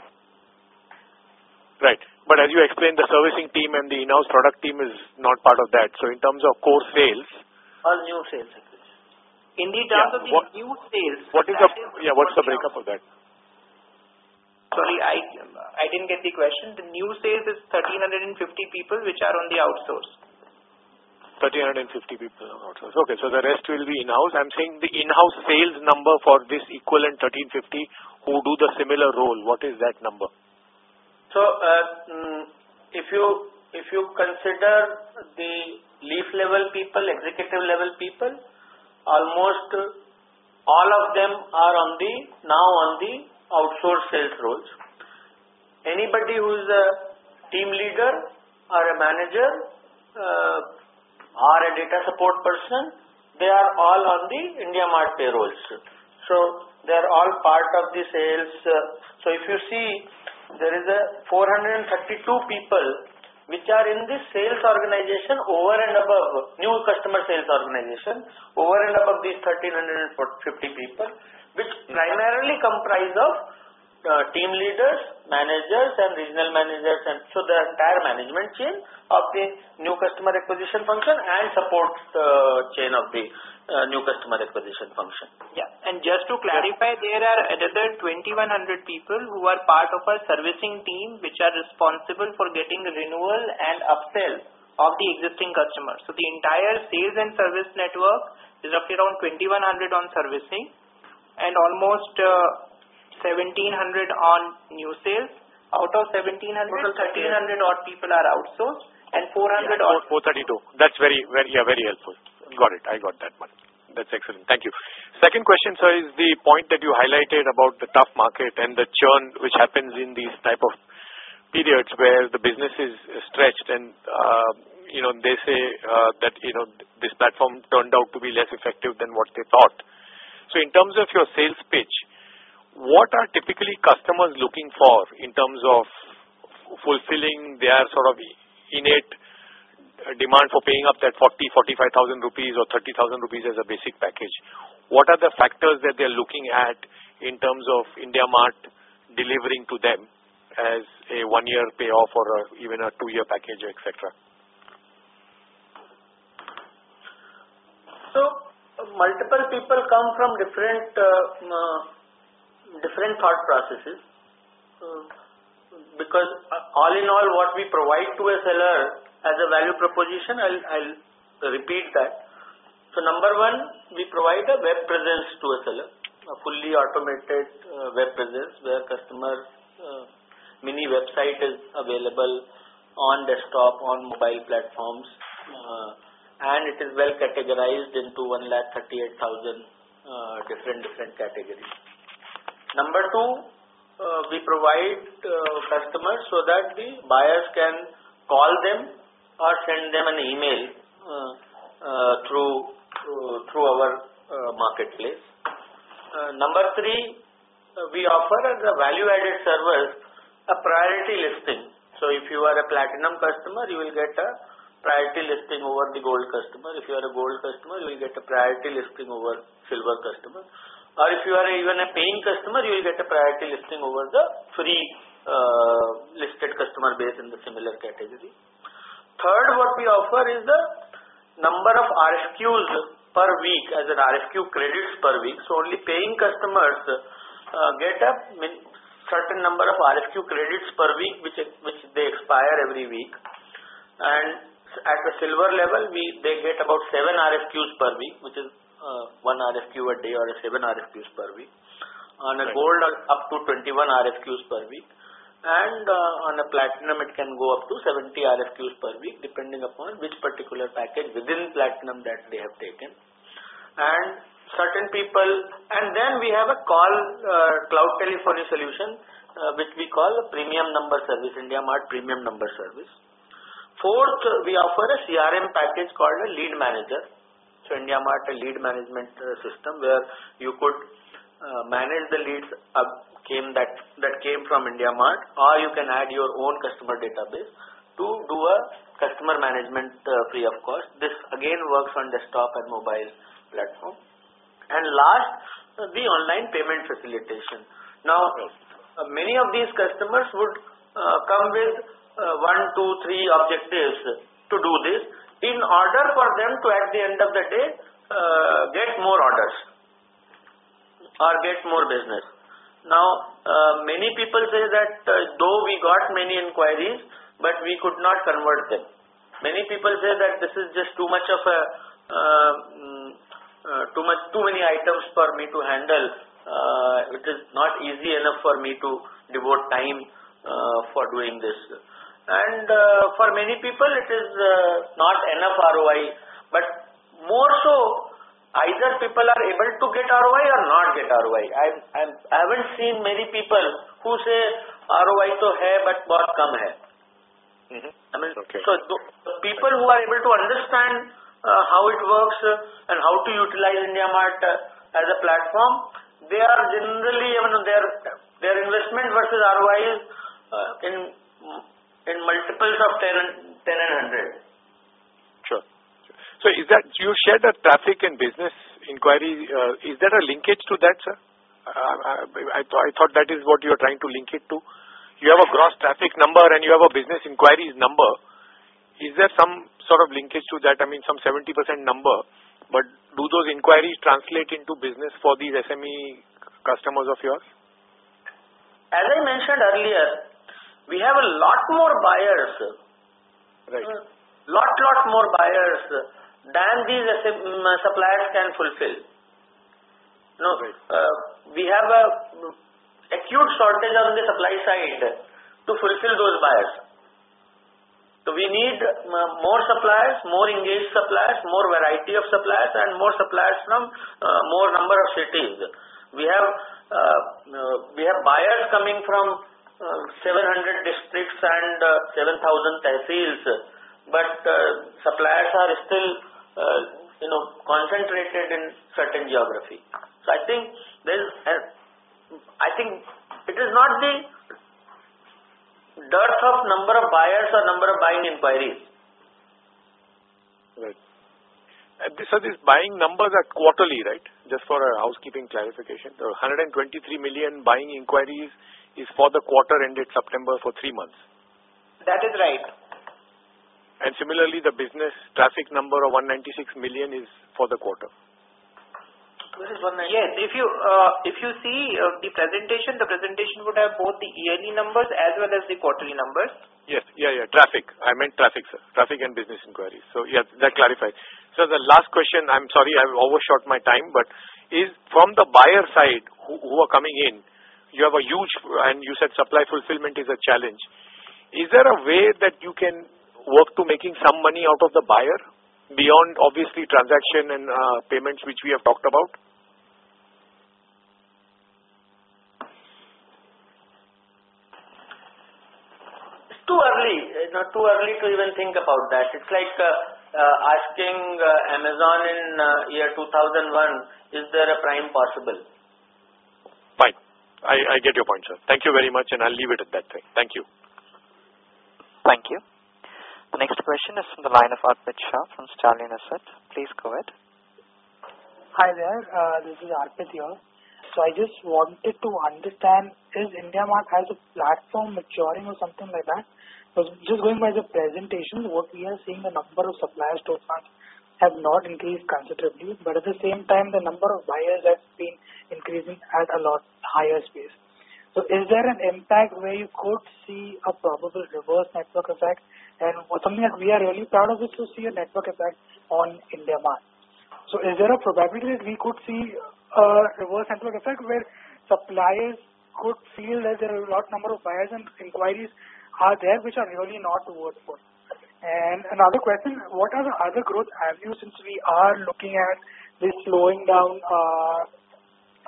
Right. As you explained, the servicing team and the in-house product team is not part of that. New sales. Yeah, what's the breakup of that? Sorry, I didn't get the question. The new sales is 1,350 people, which are on the outsource. 1,350 people are outsourced. Okay. The rest will be in-house. I'm saying the in-house sales number for this equivalent 1,350 who do the similar role, what is that number? If you consider the leaf level people, executive level people, almost all of them are now on the outsourced sales roles. Anybody who's a team leader or a manager, or a data support person, they are all on the IndiaMART payrolls. They're all part of the sales. If you see, there is 432 people which are in this sales organization, new customer sales organization, over and above these 1,350 people, which primarily comprise of team leaders, managers, and regional managers, and so the entire management chain of the new customer acquisition function and support chain of the new customer acquisition function. Yeah. Just to clarify, there are another 2,100 people who are part of our servicing team, which are responsible for getting renewal and upsell of the existing customers. The entire sales and service network is of around 2,100 on servicing and almost 1,700 on new sales. Out of 1,700, 1,300 odd people are outsourced. That's very helpful. Got it. I got that one. That's excellent. Thank you. Second question, sir, is the point that you highlighted about the tough market and the churn which happens in these type of periods where the business is stretched and they say that this platform turned out to be less effective than what they thought. So in terms of your sales pitch, what are typically customers looking for in terms of fulfilling their innate demand for paying up that 40,000, 45,000 rupees or 30,000 rupees as a basic package? What are the factors that they're looking at in terms of IndiaMART delivering to them as a one-year payoff or even a two-year package, et cetera? multiple people come from different thought processes. all in all, what we provide to a seller as a value proposition, I'll repeat that. number 1, we provide a web presence to a seller, a fully automated web presence where customer's mini website is available on desktop, on mobile platforms, and it is well-categorized into 138,000 different categories. Number 2, we provide customers so that the buyers can call them or send them an email through our marketplace. Number 3, we offer as a value-added service, a priority listing. if you are a platinum customer, you will get a priority listing over the gold customer. If you are a gold customer, you will get a priority listing over silver customer. if you are even a paying customer, you will get a priority listing over the free listed customer base in the similar category. Third, what we offer is the number of RFQs per week as in RFQ credits per week. Only paying customers get a certain number of RFQ credits per week, which they expire every week. At the silver level, they get about 7 RFQs per week, which is 1 RFQ a day or 7 RFQs per week. On a gold up to 21 RFQs per week. On a platinum, it can go up to 70 RFQs per week, depending upon which particular package within platinum that they have taken. We have a call, cloud telephony solution, which we call a Preferred Number Service, IndiaMART Preferred Number Service. Fourth, we offer a CRM package called a Lead Manager. IndiaMART Lead Management System, where you could manage the leads that came from IndiaMART, or you can add your own customer database to do a customer management free of cost. This again, works on desktop and mobile platform. Last, the online payment facilitation. Many of these customers would come with one, two, three objectives to do this in order for them to, at the end of the day, get more orders or get more business. Many people say that though we got many inquiries, but we could not convert them. Many people say that this is just too many items for me to handle. It is not easy enough for me to devote time for doing this. For many people, it is not enough ROI, but more so either people are able to get ROI or not get ROI. I haven't seen many people who say, "ROI तो है but बहुत कम है. Okay. People who are able to understand how it works and how to utilize IndiaMART as a platform, they are generally even their investment versus ROI is in multiples of 10 and 100. Sure. You shared that traffic and business inquiry. Is there a linkage to that, sir? I thought that is what you're trying to link it to. You have a gross traffic number, and you have a business inquiries number. Is there some sort of linkage to that? I mean, some 70% number. Do those inquiries translate into business for these SME customers of yours? A lot more buyers. Right lot more buyers than these suppliers can fulfill. Right. We have acute shortage on the supply side to fulfill those buyers. We need more suppliers, more engaged suppliers, more variety of suppliers, and more suppliers from more number of cities. We have buyers coming from 700 districts and 7,000 tahsils, but suppliers are still concentrated in certain geography. I think it is not the dearth of number of buyers or number of buying inquiries. Right. These buying numbers are quarterly, right? Just for a housekeeping clarification. 123 million buying inquiries is for the quarter ended September, for three months. That is right. Similarly, the business traffic number of 196 million is for the quarter. Yes. If you see the presentation, the presentation would have both the yearly numbers as well as the quarterly numbers. Yes. Traffic. I meant traffic, sir. Traffic and business inquiries. Yes, that clarifies. Sir, the last question, I'm sorry, I've overshot my time, but from the buyer side who are coming in, you have a huge-- and you said supply fulfillment is a challenge. Is there a way that you can work to making some money out of the buyer beyond obviously transaction and payments, which we have talked about? It's too early to even think about that. It's like asking Amazon in year 2001, "Is there a Prime possible? Fine. I get your point, sir. Thank you very much, and I'll leave it at that then. Thank you. Thank you. The next question is from the line of Arpit Shah from Stallion Asset. Please go ahead. Hi there. This is Arpit here. I just wanted to understand as IndiaMART has a platform maturing or something like that, because just going by the presentation, what we are seeing the number of suppliers to a month have not increased considerably, but at the same time, the number of buyers has been increasing at a lot higher space. Is there an impact where you could see a probable reverse network effect? Something that we are really proud of is to see a network effect on IndiaMART. Is there a probability that we could see a reverse network effect where suppliers could feel that there are a lot number of buyers and inquiries are there which are really not worth for? Another question, what are the other growth avenues since we are looking at this slowing down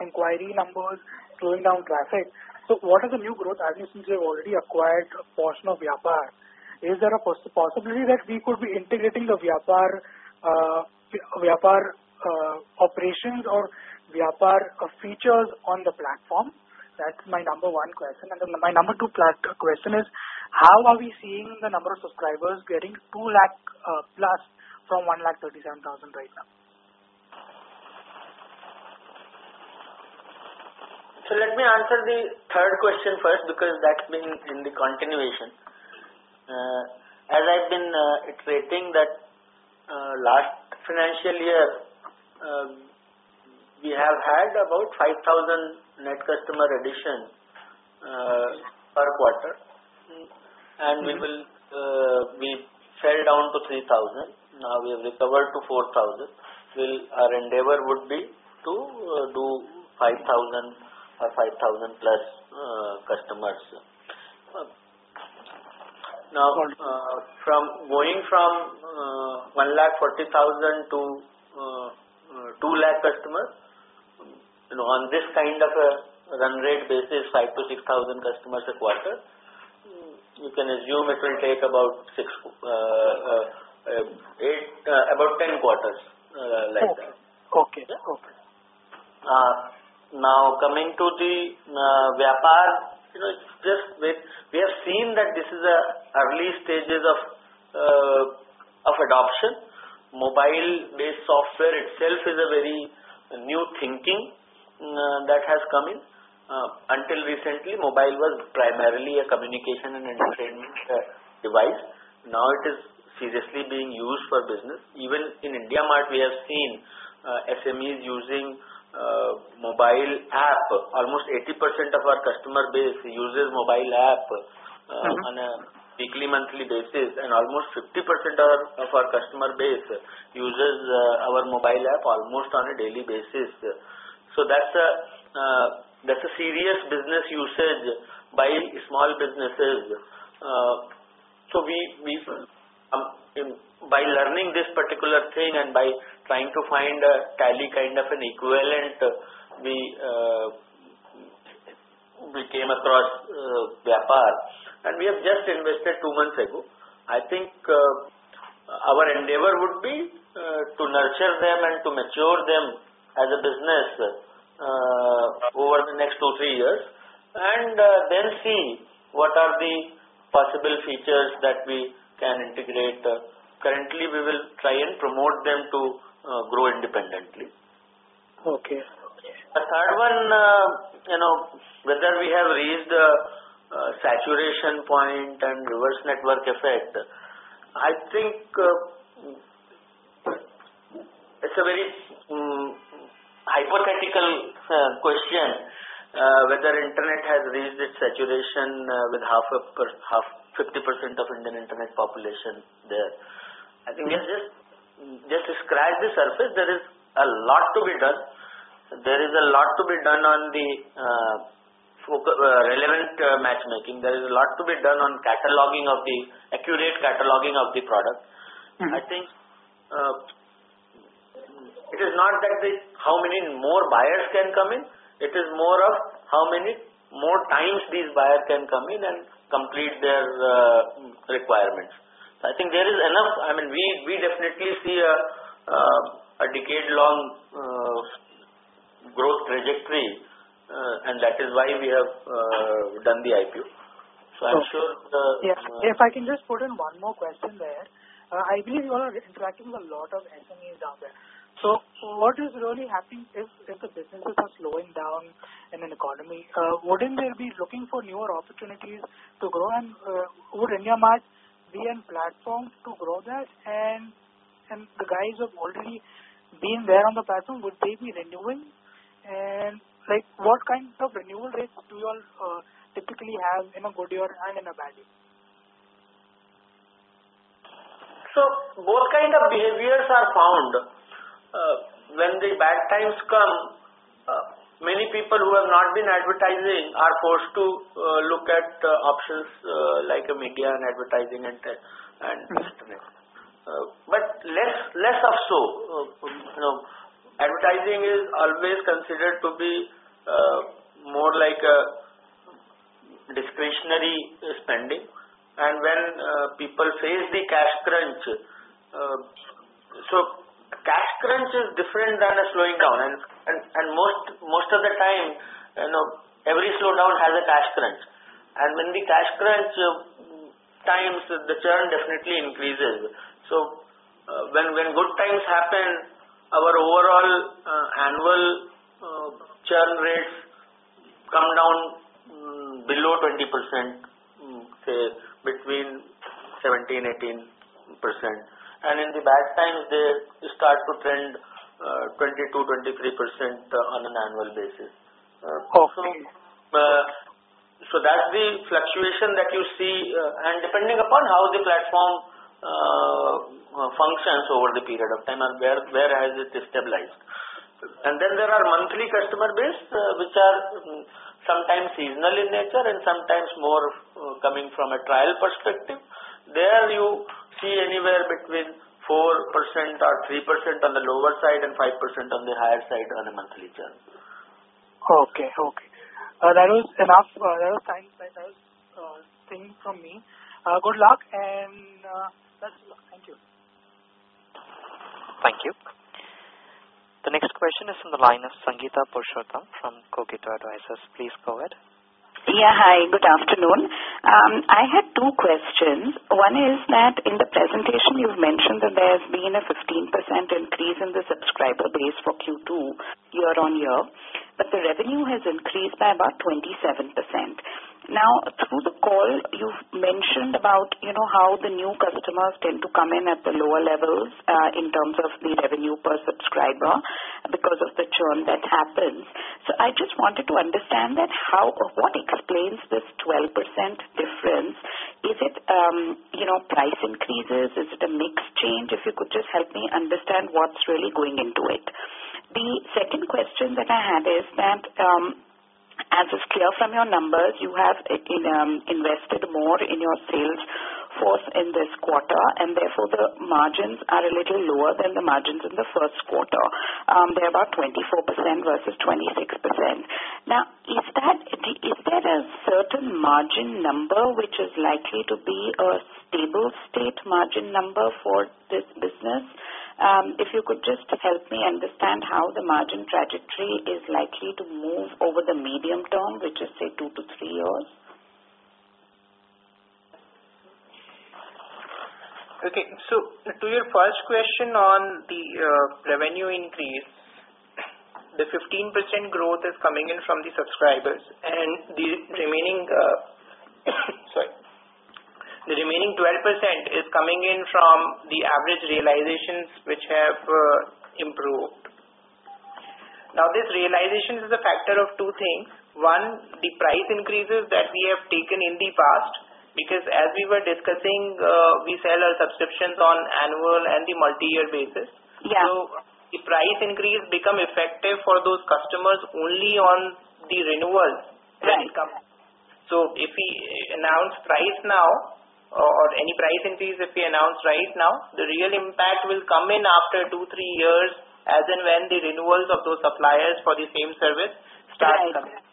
inquiry numbers, slowing down traffic? What are the new growth avenues since you've already acquired a portion of Vyapar? Is there a possibility that we could be integrating the Vyapar operations or Vyapar features on the platform? That's my number 1 question. My number 2 question is, how are we seeing the number of subscribers getting 200,000+ from 137,000 right now? Let me answer the third question first because that has been in the continuation. As I have been iterating that last financial year, we have had about 5,000 net customer additions per quarter, and we fell down to 3,000. We have recovered to 4,000. Our endeavor would be to do 5,000 or 5,000-plus customers. Going from 140,000 to 200,000 customers, on this kind of a run rate basis, 5,000 to 6,000 customers a quarter, you can assume it will take about 10 quarters like that. Okay. Now, coming to the Vyapar, we have seen that this is at early stages of adoption. Mobile-based software itself is a very new thinking that has come in. Until recently, mobile was primarily a communication and entertainment device. Now it is seriously being used for business. Even in IndiaMART, we have seen SMEs using mobile app. Almost 80% of our customer base uses mobile app on a weekly, monthly basis, and almost 50% of our customer base uses our mobile app almost on a daily basis. That's a serious business usage by small businesses. By learning this particular thing and by trying to find a Tally kind of an equivalent, we came across Vyapar, and we have just invested two months ago. I think our endeavor would be to nurture them and to mature them as a business over the next two, three years, and then see what are the possible features that we can integrate. Currently, we will try and promote them to grow independently. Okay. The third one, whether we have reached saturation point and reverse network effect, I think it's a very hypothetical question, whether internet has reached its saturation with 50% of Indian internet population there. I think it's just scratched the surface. There is a lot to be done. There is a lot to be done on the relevant matchmaking. There is a lot to be done on accurate cataloging of the product. I think it is not that how many more buyers can come in, it is more of how many more times these buyers can come in and complete their requirements. I think there is enough. We definitely see a decade-long growth trajectory, and that is why we have done the IPO. Yeah. If I can just put in one more question there. I believe you are interacting with a lot of SMEs out there. What is really happening is if the businesses are slowing down in an economy, wouldn't they be looking for newer opportunities to grow? Could IndiaMART be a platform to grow that, and the guys who have already been there on the platform, would they be renewing? What kind of renewal rates do you all typically have in a good year and in a bad year? Both kind of behaviors are found. When the bad times come, many people who have not been advertising are forced to look at options like media and advertising and customer. Less of so. Advertising is always considered to be more like a discretionary spending, and when people face the cash crunch, cash crunch is different than a slowing down, and most of the time, every slowdown has a cash crunch. When the cash crunch times, the churn definitely increases. When good times happen, our overall annual churn rates come down below 20%, say between 17%-18%. In the bad times, they start to trend 22%-23% on an annual basis. Okay. That's the fluctuation that you see, and depending upon how the platform functions over the period of time and where has it stabilized. There are monthly customer base, which are sometimes seasonal in nature and sometimes more coming from a trial perspective. There you see anywhere between 4% or 3% on the lower side and 5% on the higher side on a monthly churn. Okay. That is enough. That was everything from me. Good luck, and best luck. Thank you. Thank you. The next question is from the line of Sangeeta Purushottam from Cogito Advisors. Please go ahead. Yeah, hi. Good afternoon. I had two questions. One is that in the presentation, you've mentioned that there's been a 15% increase in the subscriber base for Q2 year-over-year, but the revenue has increased by about 27%. Through the call, you've mentioned about how the new customers tend to come in at the lower levels in terms of the revenue per subscriber because of the churn that happens. I just wanted to understand that how or what explains this 12% difference. Is it price increases? Is it a mix change? If you could just help me understand what's really going into it. The second question that I had is that, as is clear from your numbers, you have invested more in your sales force in this quarter, and therefore, the margins are a little lower than the margins in the first quarter. They're about 24% versus 26%. Is there a certain margin number which is likely to be a stable state margin number for this business? If you could just help me understand how the margin trajectory is likely to move over the medium term, which is, say, two to three years. Okay. To your first question on the revenue increase, the 15% growth is coming in from the subscribers. The remaining 12% is coming in from the average realizations which have improved. This realization is a factor of two things. One, the price increases that we have taken in the past, because as we were discussing, we sell our subscriptions on annual and the multi-year basis. Yeah. The price increase become effective for those customers only on the renewals when it comes. Right. If we announce price now, or any price increase if we announce right now, the real impact will come in after two, three years, as and when the renewals of those suppliers for the same service start coming in. Right.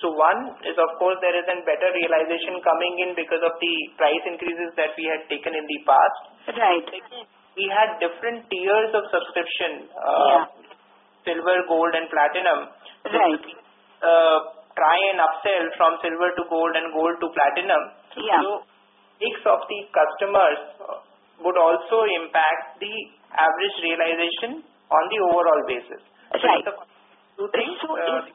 One is, of course, there is a better realization coming in because of the price increases that we had taken in the past. Right. Secondly, we had different tiers of subscription. Yeah. Silver, gold, and platinum. Right. We try and upsell from silver to gold and gold to platinum. Yeah. Mix of these customers would also impact the average realization on the overall basis. Right. How much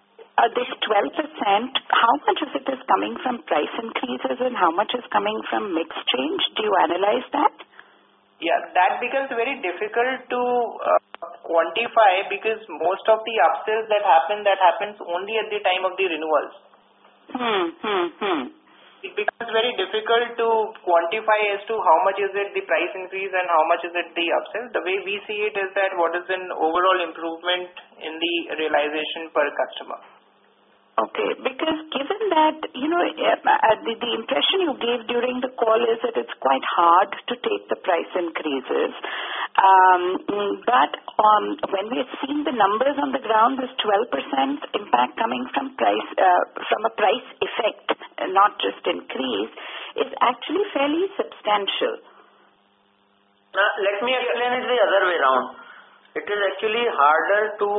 is coming from mix change? Do you analyze that? Yeah. That becomes very difficult to quantify because most of the upsells that happen, that happens only at the time of the renewals. It becomes very difficult to quantify as to how much is it the price increase and how much is it the upsells. The way we see it is that what is an overall improvement in the realization per customer. Okay. Given that, the impression you gave during the call is that it's quite hard to take the price increases. When we have seen the numbers on the ground, this 12% impact coming from a price effect, not just increase, is actually fairly substantial. Now, let me explain it the other way around. It is actually harder to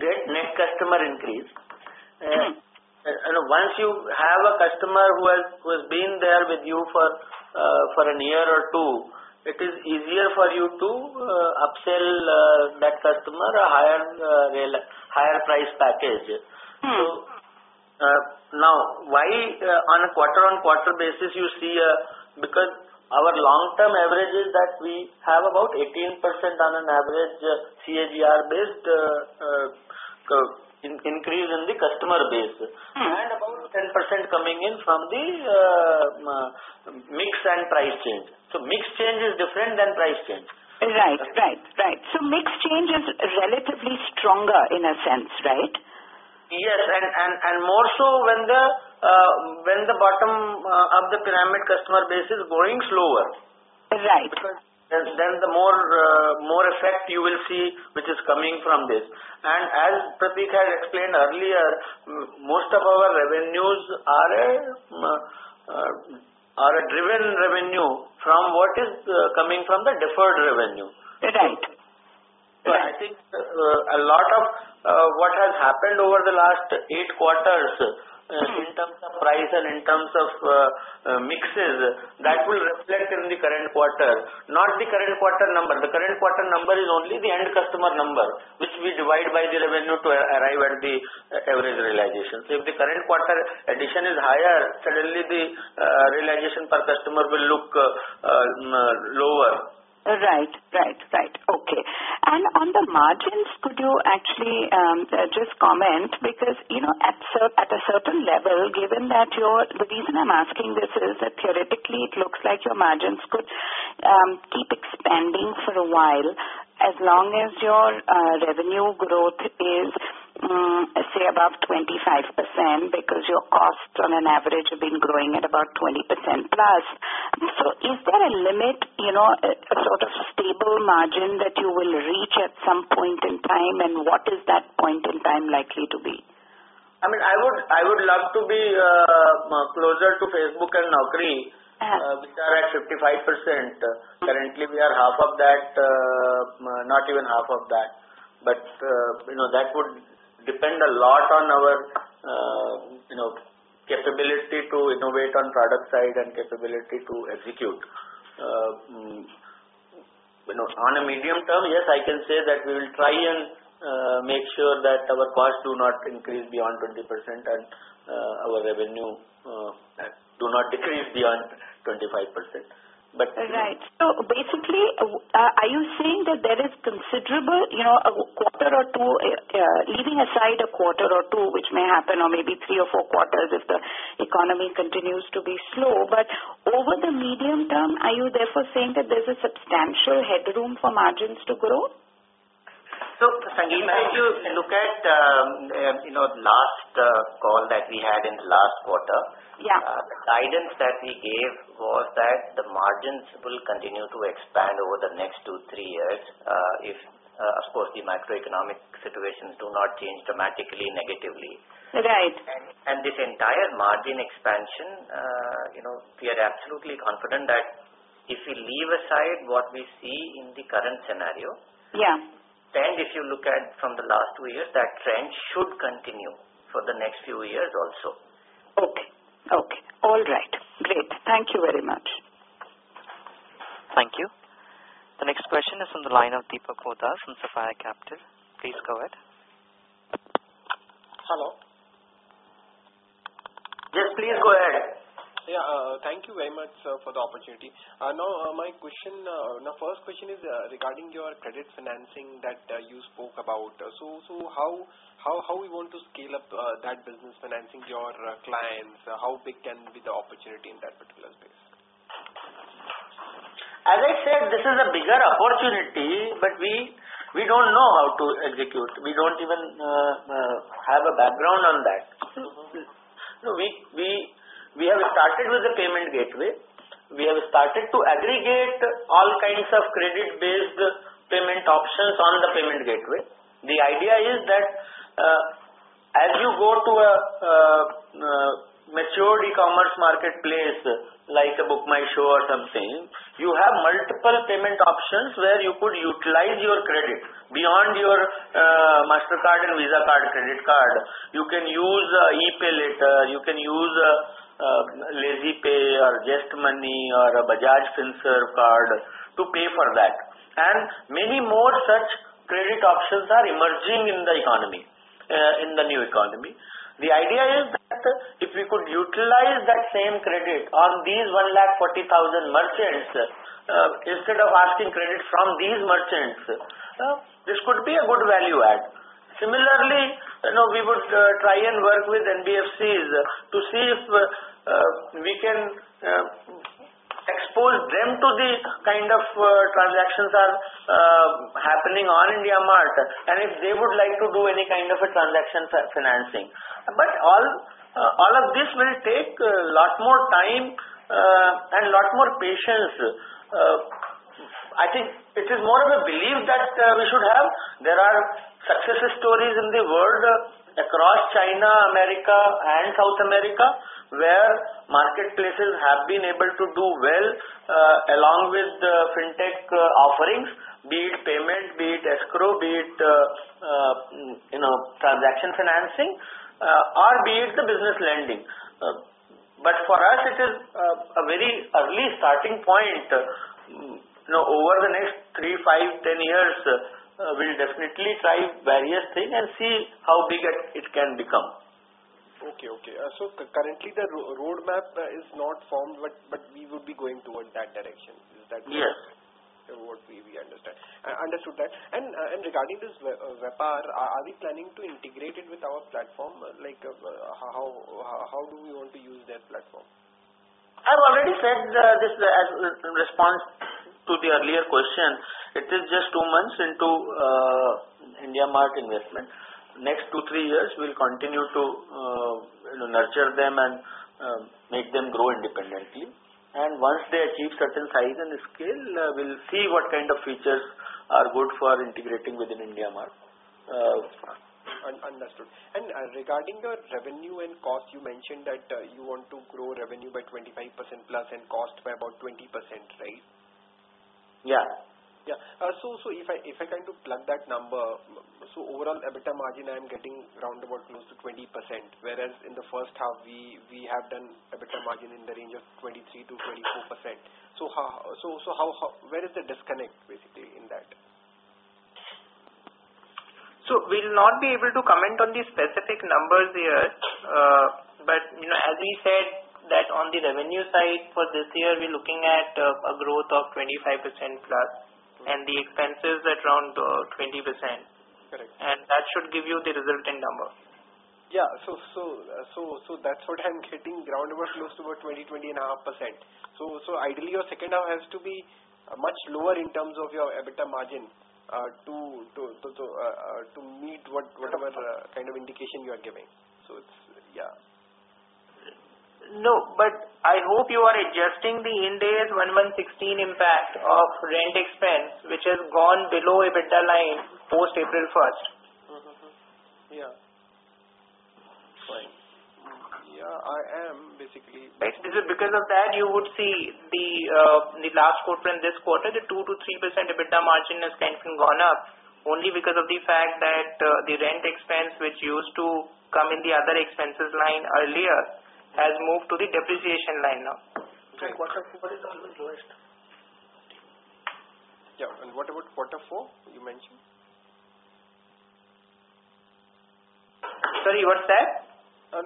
get net customer increase. Once you have a customer who has been there with you for a year or two, it is easier for you to upsell that customer a higher price package. Now, why on a quarter-on-quarter basis you see, because our long-term average is that we have about 18% on an average CAGR-based increase in the customer base. About 10% coming in from the mix and price change. Mix change is different than price change. Right. Mix change is relatively stronger in a sense, right? Yes, more so when the bottom of the pyramid customer base is growing slower. Right. The more effect you will see, which is coming from this. As Prateek had explained earlier, most of our revenues are a driven revenue from what is coming from the deferred revenue. Right. I think a lot of what has happened over the last eight quarters in terms of price and in terms of mixes, that will reflect in the current quarter, not the current quarter number. The current quarter number is only the end customer number, which we divide by the revenue to arrive at the average realization. If the current quarter addition is higher, suddenly the realization per customer will look lower. Right. Okay. On the margins, could you actually just comment, because at a certain level, given that your-- The reason I'm asking this is that theoretically, it looks like your margins could keep expanding for a while as long as your revenue growth is, say, above 25%, because your costs on an average have been growing at about 20% plus. Is there a limit, a sort of stable margin that you will reach at some point in time, and what is that point in time likely to be? I would love to be closer to Facebook and Naukri.com. Yes which are at 55%. Currently, we are half of that, not even half of that. That would depend a lot on our capability to innovate on product side and capability to execute. On a medium-term, yes, I can say that we will try and make sure that our costs do not increase beyond 20% and our revenue do not decrease beyond 25%. Right. Basically, are you saying that there is considerable, leaving aside a quarter or two, which may happen, or maybe three or four quarters if the economy continues to be slow, over the medium term, are you therefore saying that there's a substantial headroom for margins to grow? Sangeeta, if you look at last call that we had in the last quarter. Yeah the guidance that we gave was that the margins will continue to expand over the next two, three years, if, of course, the macroeconomic situations do not change dramatically negatively. Right. This entire margin expansion, we are absolutely confident that if we leave aside what we see in the current scenario. Yeah If you look at from the last two years, that trend should continue for the next few years also. Okay. All right. Great. Thank you very much. Thank you. The next question is on the line of Deepak Kothari from Sapphire Capital. Please go ahead. Hello. Yes. Please go ahead. Yeah. Thank you very much for the opportunity. My first question is regarding your credit financing that you spoke about. How you want to scale up that business financing your clients? How big can be the opportunity in that particular space? As I said, this is a bigger opportunity, we don't know how to execute. We don't even have a background on that. We have started with the payment gateway. We have started to aggregate all kinds of credit-based payment options on the payment gateway. The idea is that as you go to a mature e-commerce marketplace, like a BookMyShow or something, you have multiple payment options where you could utilize your credit beyond your MasterCard and Visa card credit card. You can use ePayLater, you can use LazyPay or ZestMoney or Bajaj Finserv Card to pay for that, and many more such credit options are emerging in the new economy. The idea is that if we could utilize that same credit on these 140,000 merchants, instead of asking credit from these merchants, this could be a good value add. Similarly, we would try and work with NBFCs to see if we can expose them to the kind of transactions that are happening on IndiaMART, and if they would like to do any kind of a transaction financing. All of this will take a lot more time and a lot more patience. I think it is more of a belief that we should have. There are success stories in the world across China, America, and South America, where marketplaces have been able to do well along with fintech offerings, be it payment, be it escrow, be it transaction financing, or be it the business lending. For us, it is a very early starting point. Over the next three, five, 10 years, we'll definitely try various things and see how big it can become. Okay. Currently the roadmap is not formed, but we will be going toward that direction. Is that correct? Yes. Understood that. Regarding this Vyapar, are we planning to integrate it with our platform? How do we want to use their platform? I've already said this in response to the earlier question. It is just two months into IndiaMART investment. Next two, three years, we'll continue to nurture them and make them grow independently. Once they achieve certain size and scale, we'll see what kind of features are good for integrating within IndiaMART. Understood. Regarding your revenue and cost, you mentioned that you want to grow revenue by 25% plus and cost by about 20%, right? Yeah. If I try to plug that number, overall EBITDA margin, I'm getting roundabout close to 20%, whereas in the first half, we have done EBITDA margin in the range of 23%-24%. Where is the disconnect, basically, in that? We'll not be able to comment on the specific numbers there. As we said that on the revenue side for this year, we're looking at a growth of 25% plus and the expenses at around 20%. Correct. That should give you the resultant number. Yeah. That's what I'm getting, roundabout close to 20 and a half%. Ideally, your second half has to be much lower in terms of your EBITDA margin to meet whatever kind of indication you are giving. Yeah. I hope you are adjusting the Ind AS 116 impact of rent expense, which has gone below EBITDA line post April 1st. Yeah. Fine. Yeah, I am, basically. Right. It is because of that you would see the last quarter and this quarter, the 2%-3% EBITDA margin has kind of gone up, only because of the fact that the rent expense which used to come in the other expenses line earlier has moved to the depreciation line now. Right. Quarter four is even lowest. Yeah. What about quarter four, you mentioned? Sorry, what's that?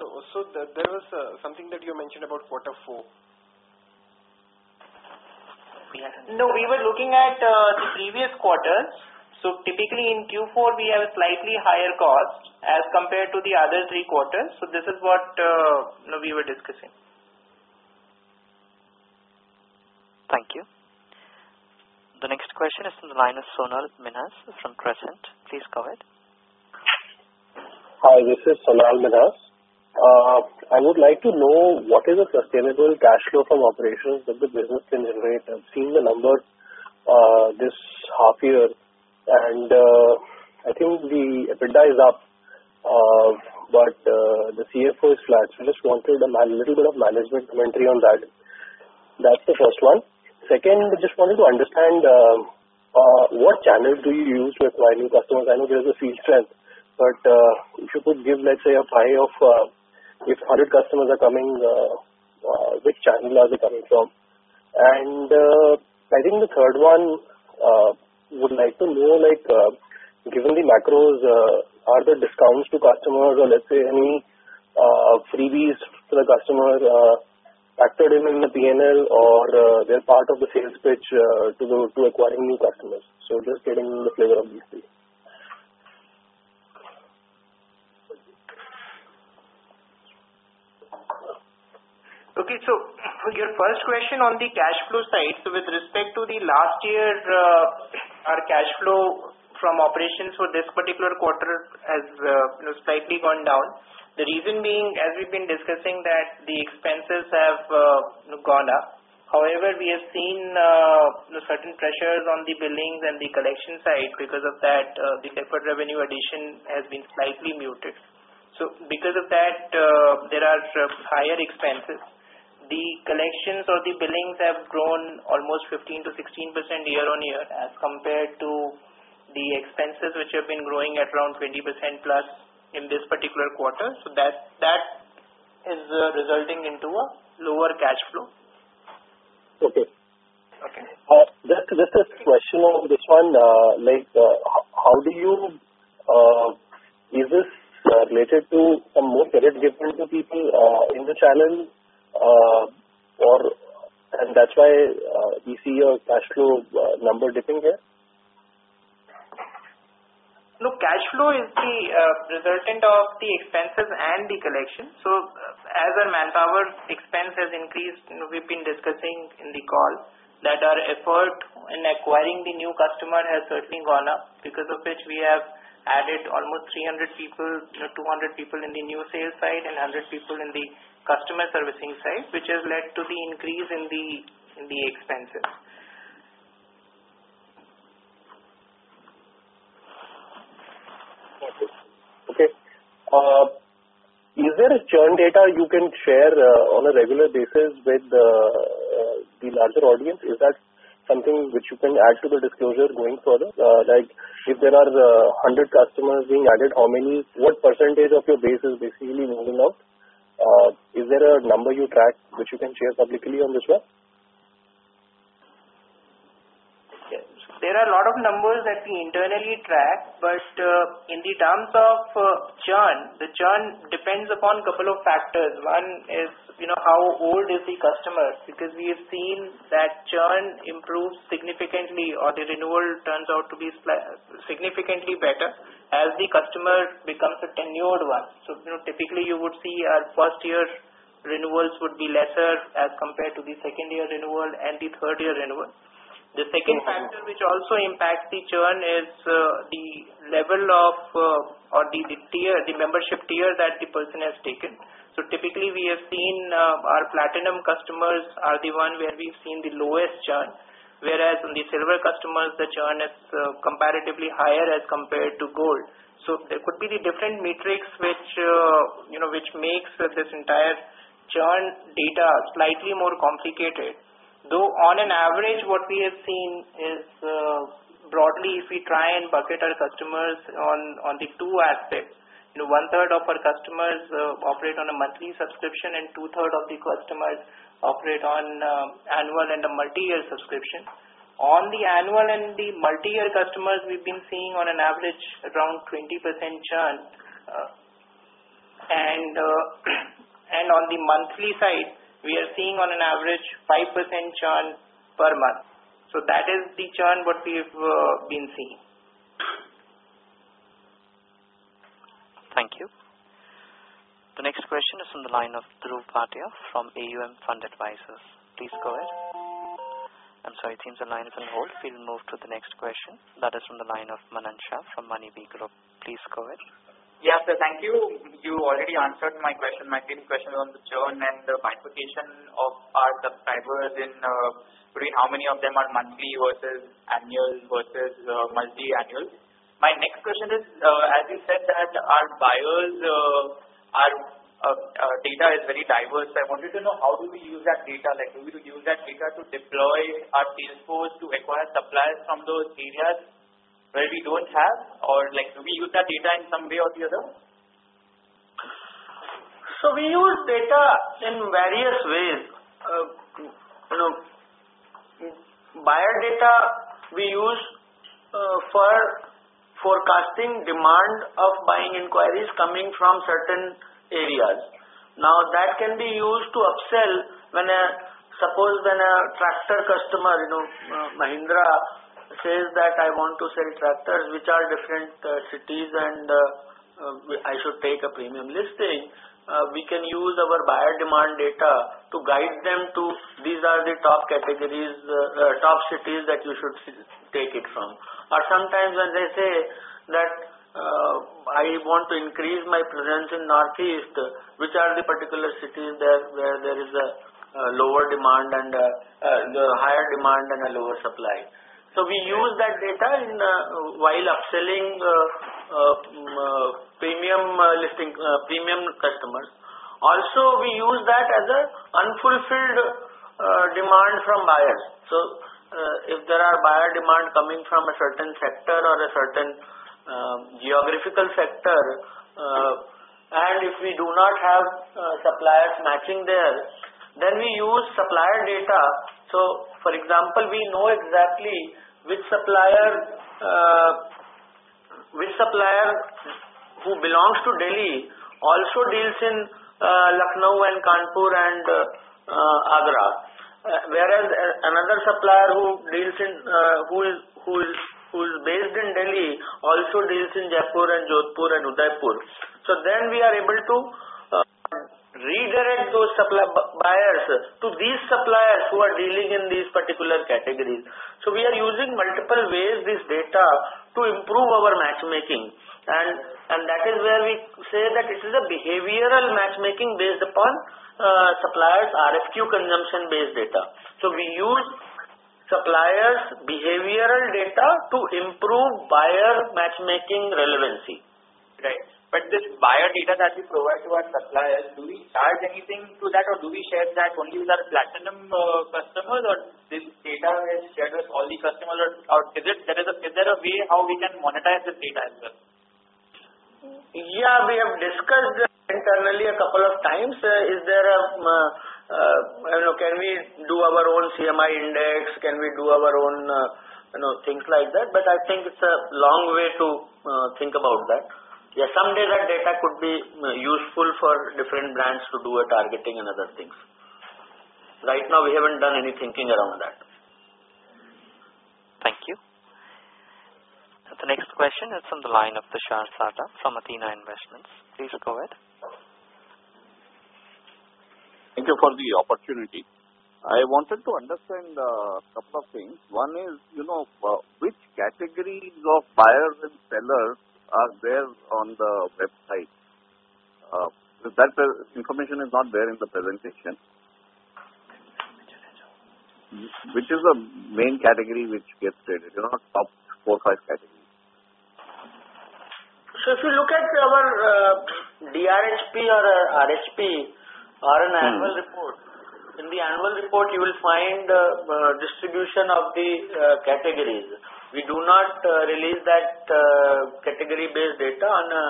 There was something that you mentioned about quarter four. We were looking at the previous quarters. Typically in Q4, we have a slightly higher cost as compared to the other three quarters. This is what we were discussing. Thank you. The next question is on the line of Sonal Menas from Crescent. Please go ahead. Hi, this is Sonal Menas. I would like to know what is the sustainable cash flow from operations that the business can generate. I've seen the numbers this half year, and I think the EBITDA is up, but the CFO is flat. just wanted a little bit of management commentary on that. That's the first one. Second, I just wanted to understand what channels do you use to acquire new customers? I know there's a sales strength, but if you could give, let's say, a pie of if 100 customers are coming, which channel are they coming from? I think the third one, would like to know, given the macros, are there discounts to customers or let's say any freebies to the customers factored in the P&L or they're part of the sales pitch to acquiring new customers? just getting the flavor of these three. Okay. Your first question on the cash flow side. With respect to the last year, our cash flow from operations for this particular quarter has slightly gone down. The reason being, as we've been discussing, that the expenses have gone up. However, we have seen certain pressures on the billings and the collection side. Because of that, the deferred revenue addition has been slightly muted. Because of that, there are higher expenses. The collections or the billings have grown almost 15%-16% year-on-year as compared to the expenses, which have been growing at around 20%+ in this particular quarter. That is resulting into a lower cash flow. Okay. Just a question on this one. Is this related to some more credit given to people in the channel, and that's why we see your cash flow number dipping here? No, cash flow is the resultant of the expenses and the collection. As our manpower expense has increased, we've been discussing in the call that our effort in acquiring the new customer has certainly gone up. Because of which we have added almost 300 people, 200 people in the new sales side and 100 people in the customer servicing side, which has led to the increase in the expenses. Okay. Is there a churn data you can share on a regular basis with the larger audience? Is that something which you can add to the disclosure going further? Like, if there are 100 customers being added, what percentage of your base is basically moving out? Is there a number you track which you can share publicly on this one? There are a lot of numbers that we internally track. In the terms of churn, the churn depends upon couple of factors. One is, how old is the customer? We have seen that churn improves significantly or the renewal turns out to be significantly better as the customer becomes a tenured one. Typically, you would see our first-year renewals would be lesser as compared to the second-year renewal and the third-year renewal. The second factor which also impacts the churn is the level of, or the membership tier that the person has taken. Typically, we have seen our platinum customers are the one where we've seen the lowest churn, whereas in the silver customers, the churn is comparatively higher as compared to gold. There could be the different metrics which makes this entire churn data slightly more complicated. Though on an average, what we have seen is, broadly, if we try and bucket our customers on the two aspects, one-third of our customers operate on a monthly subscription, and two-third of the customers operate on annual and a multi-year subscription. On the annual and the multi-year customers, we've been seeing on an average around 20% churn. On the monthly side, we are seeing on an average 5% churn per month. That is the churn what we've been seeing. Thank you. The next question is from the line of Dhruv Bhatia from AUM Fund Advisors. Please go ahead. I'm sorry, it seems the line is on hold. We will move to the next question. That is from the line of Manan Shah from Moneybee Group. Please go ahead. Yeah, sir. Thank you. You already answered my question, my three questions on the churn and the bifurcation of our subscribers between how many of them are monthly versus annual versus multi-annual. My next question is, as you said that our buyers' data is very diverse, I wanted to know how do we use that data? Do we use that data to deploy our sales force to acquire suppliers from those areas where we don't have, or do we use that data in some way or the other? We use data in various ways. Buyer data we use for forecasting demand of buying inquiries coming from certain areas. That can be used to upsell. Suppose when a tractor customer, Mahindra, says that, "I want to sell tractors which are different cities, and I should take a premium listing," we can use our buyer demand data to guide them to, these are the top cities that you should take it from. Sometimes when they say that, "I want to increase my presence in northeast," which are the particular cities where there is a higher demand and a lower supply? We use that data while upselling premium customers. Also, we use that as an unfulfilled demand from buyers. If there are buyer demand coming from a certain sector or a certain geographical sector, and if we do not have suppliers matching there, then we use supplier data. For example, we know exactly which supplier who belongs to Delhi also deals in Lucknow and Kanpur and Agra. Whereas another supplier who is based in Delhi also deals in Jaipur and Jodhpur and Udaipur. Then we are able to redirect those buyers to these suppliers who are dealing in these particular categories. We are using multiple ways this data to improve our matchmaking. That is where we say that it is a behavioral matchmaking based upon suppliers' RFQ consumption-based data. We use suppliers' behavioral data to improve buyer matchmaking relevancy. Right. This buyer data that we provide to our suppliers, do we charge anything to that, or do we share that only with our platinum customers, or this data is shared with all the customers? Is there a way how we can monetize this data as well? Internally, a couple of times. Can we do our own CMI index? Can we do our own things like that? I think it's a long way to think about that. Yeah, someday that data could be useful for different brands to do a targeting and other things. Right now, we haven't done any thinking around that. Thank you. The next question is from the line of Tushar Sarda from Athena Investments. Please go ahead. Thank you for the opportunity. I wanted to understand a couple of things. One is, which categories of buyers and sellers are there on the website? That information is not there in the presentation. Which is the main category which gets traded, the top 4 or 5 categories? If you look at our DRHP or our RHP, or an annual report, in the annual report you will find distribution of the categories. We do not release that category-based data on a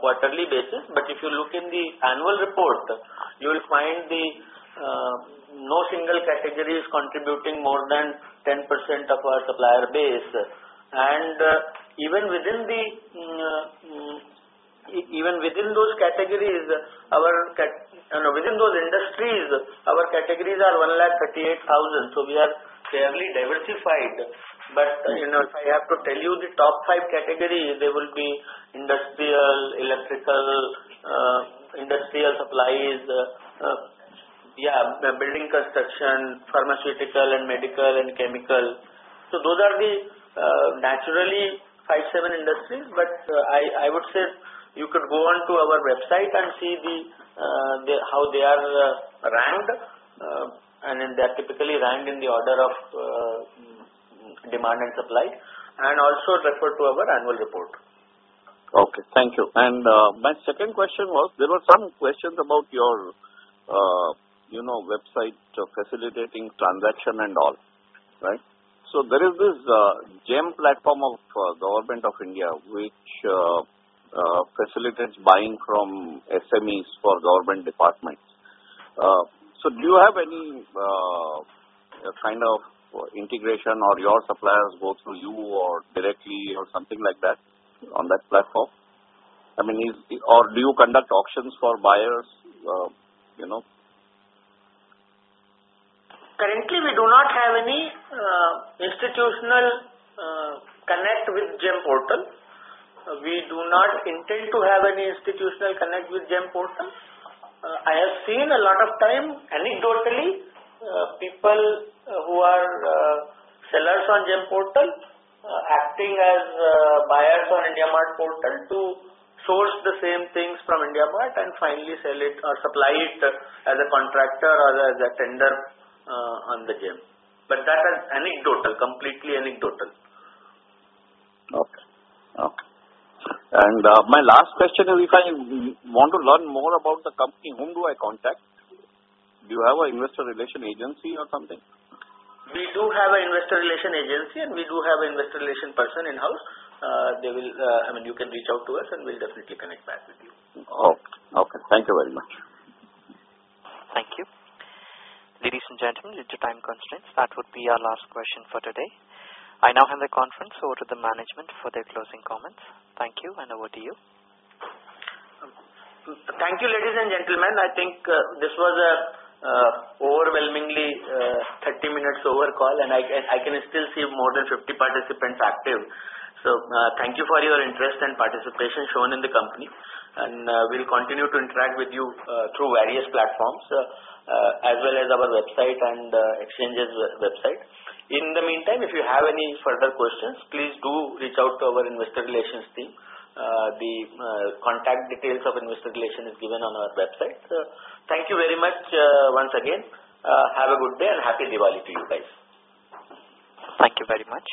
quarterly basis. If you look in the annual report, you will find no single category is contributing more than 10% of our supplier base. Even within those industries, our categories are 1,38,000. We are fairly diversified. If I have to tell you the top five categories, they will be industrial, electrical, industrial supplies, building construction, pharmaceutical and medical, and chemical. Those are the naturally five, seven industries. I would say you could go onto our website and see how they are ranked. They're typically ranked in the order of demand and supply, and also refer to our annual report. Okay, thank you. My second question was, there were some questions about your website facilitating transaction and all, right? There is this GeM platform of Government of India, which facilitates buying from SMEs for government departments. Do you have any kind of integration or your suppliers go through you or directly or something like that on that platform? Do you conduct auctions for buyers? Currently, we do not have any institutional connect with GeM portal. We do not intend to have any institutional connect with GeM portal. I have seen a lot of time, anecdotally, people who are sellers on GeM portal acting as buyers on IndiaMART portal to source the same things from IndiaMART and finally sell it or supply it as a contractor or as a tenderer on the GeM. That is completely anecdotal. Okay. My last question is, if I want to learn more about the company, whom do I contact? Do you have an investor relation agency or something? We do have an investor relation agency, and we do have an investor relation person in-house. You can reach out to us and we'll definitely connect back with you. Okay. Thank you very much. Thank you. Ladies and gentlemen, due to time constraints, that would be our last question for today. I now hand the conference over to the management for their closing comments. Thank you, and over to you. Thank you, ladies and gentlemen. I think this was overwhelmingly a 30 minutes over call, and I can still see more than 50 participants active. Thank you for your interest and participation shown in the company, and we'll continue to interact with you through various platforms, as well as our website and exchanges website. In the meantime, if you have any further questions, please do reach out to our investor relations team. The contact details of investor relation is given on our website. Thank you very much once again. Have a good day and Happy Diwali to you guys. Thank you very much.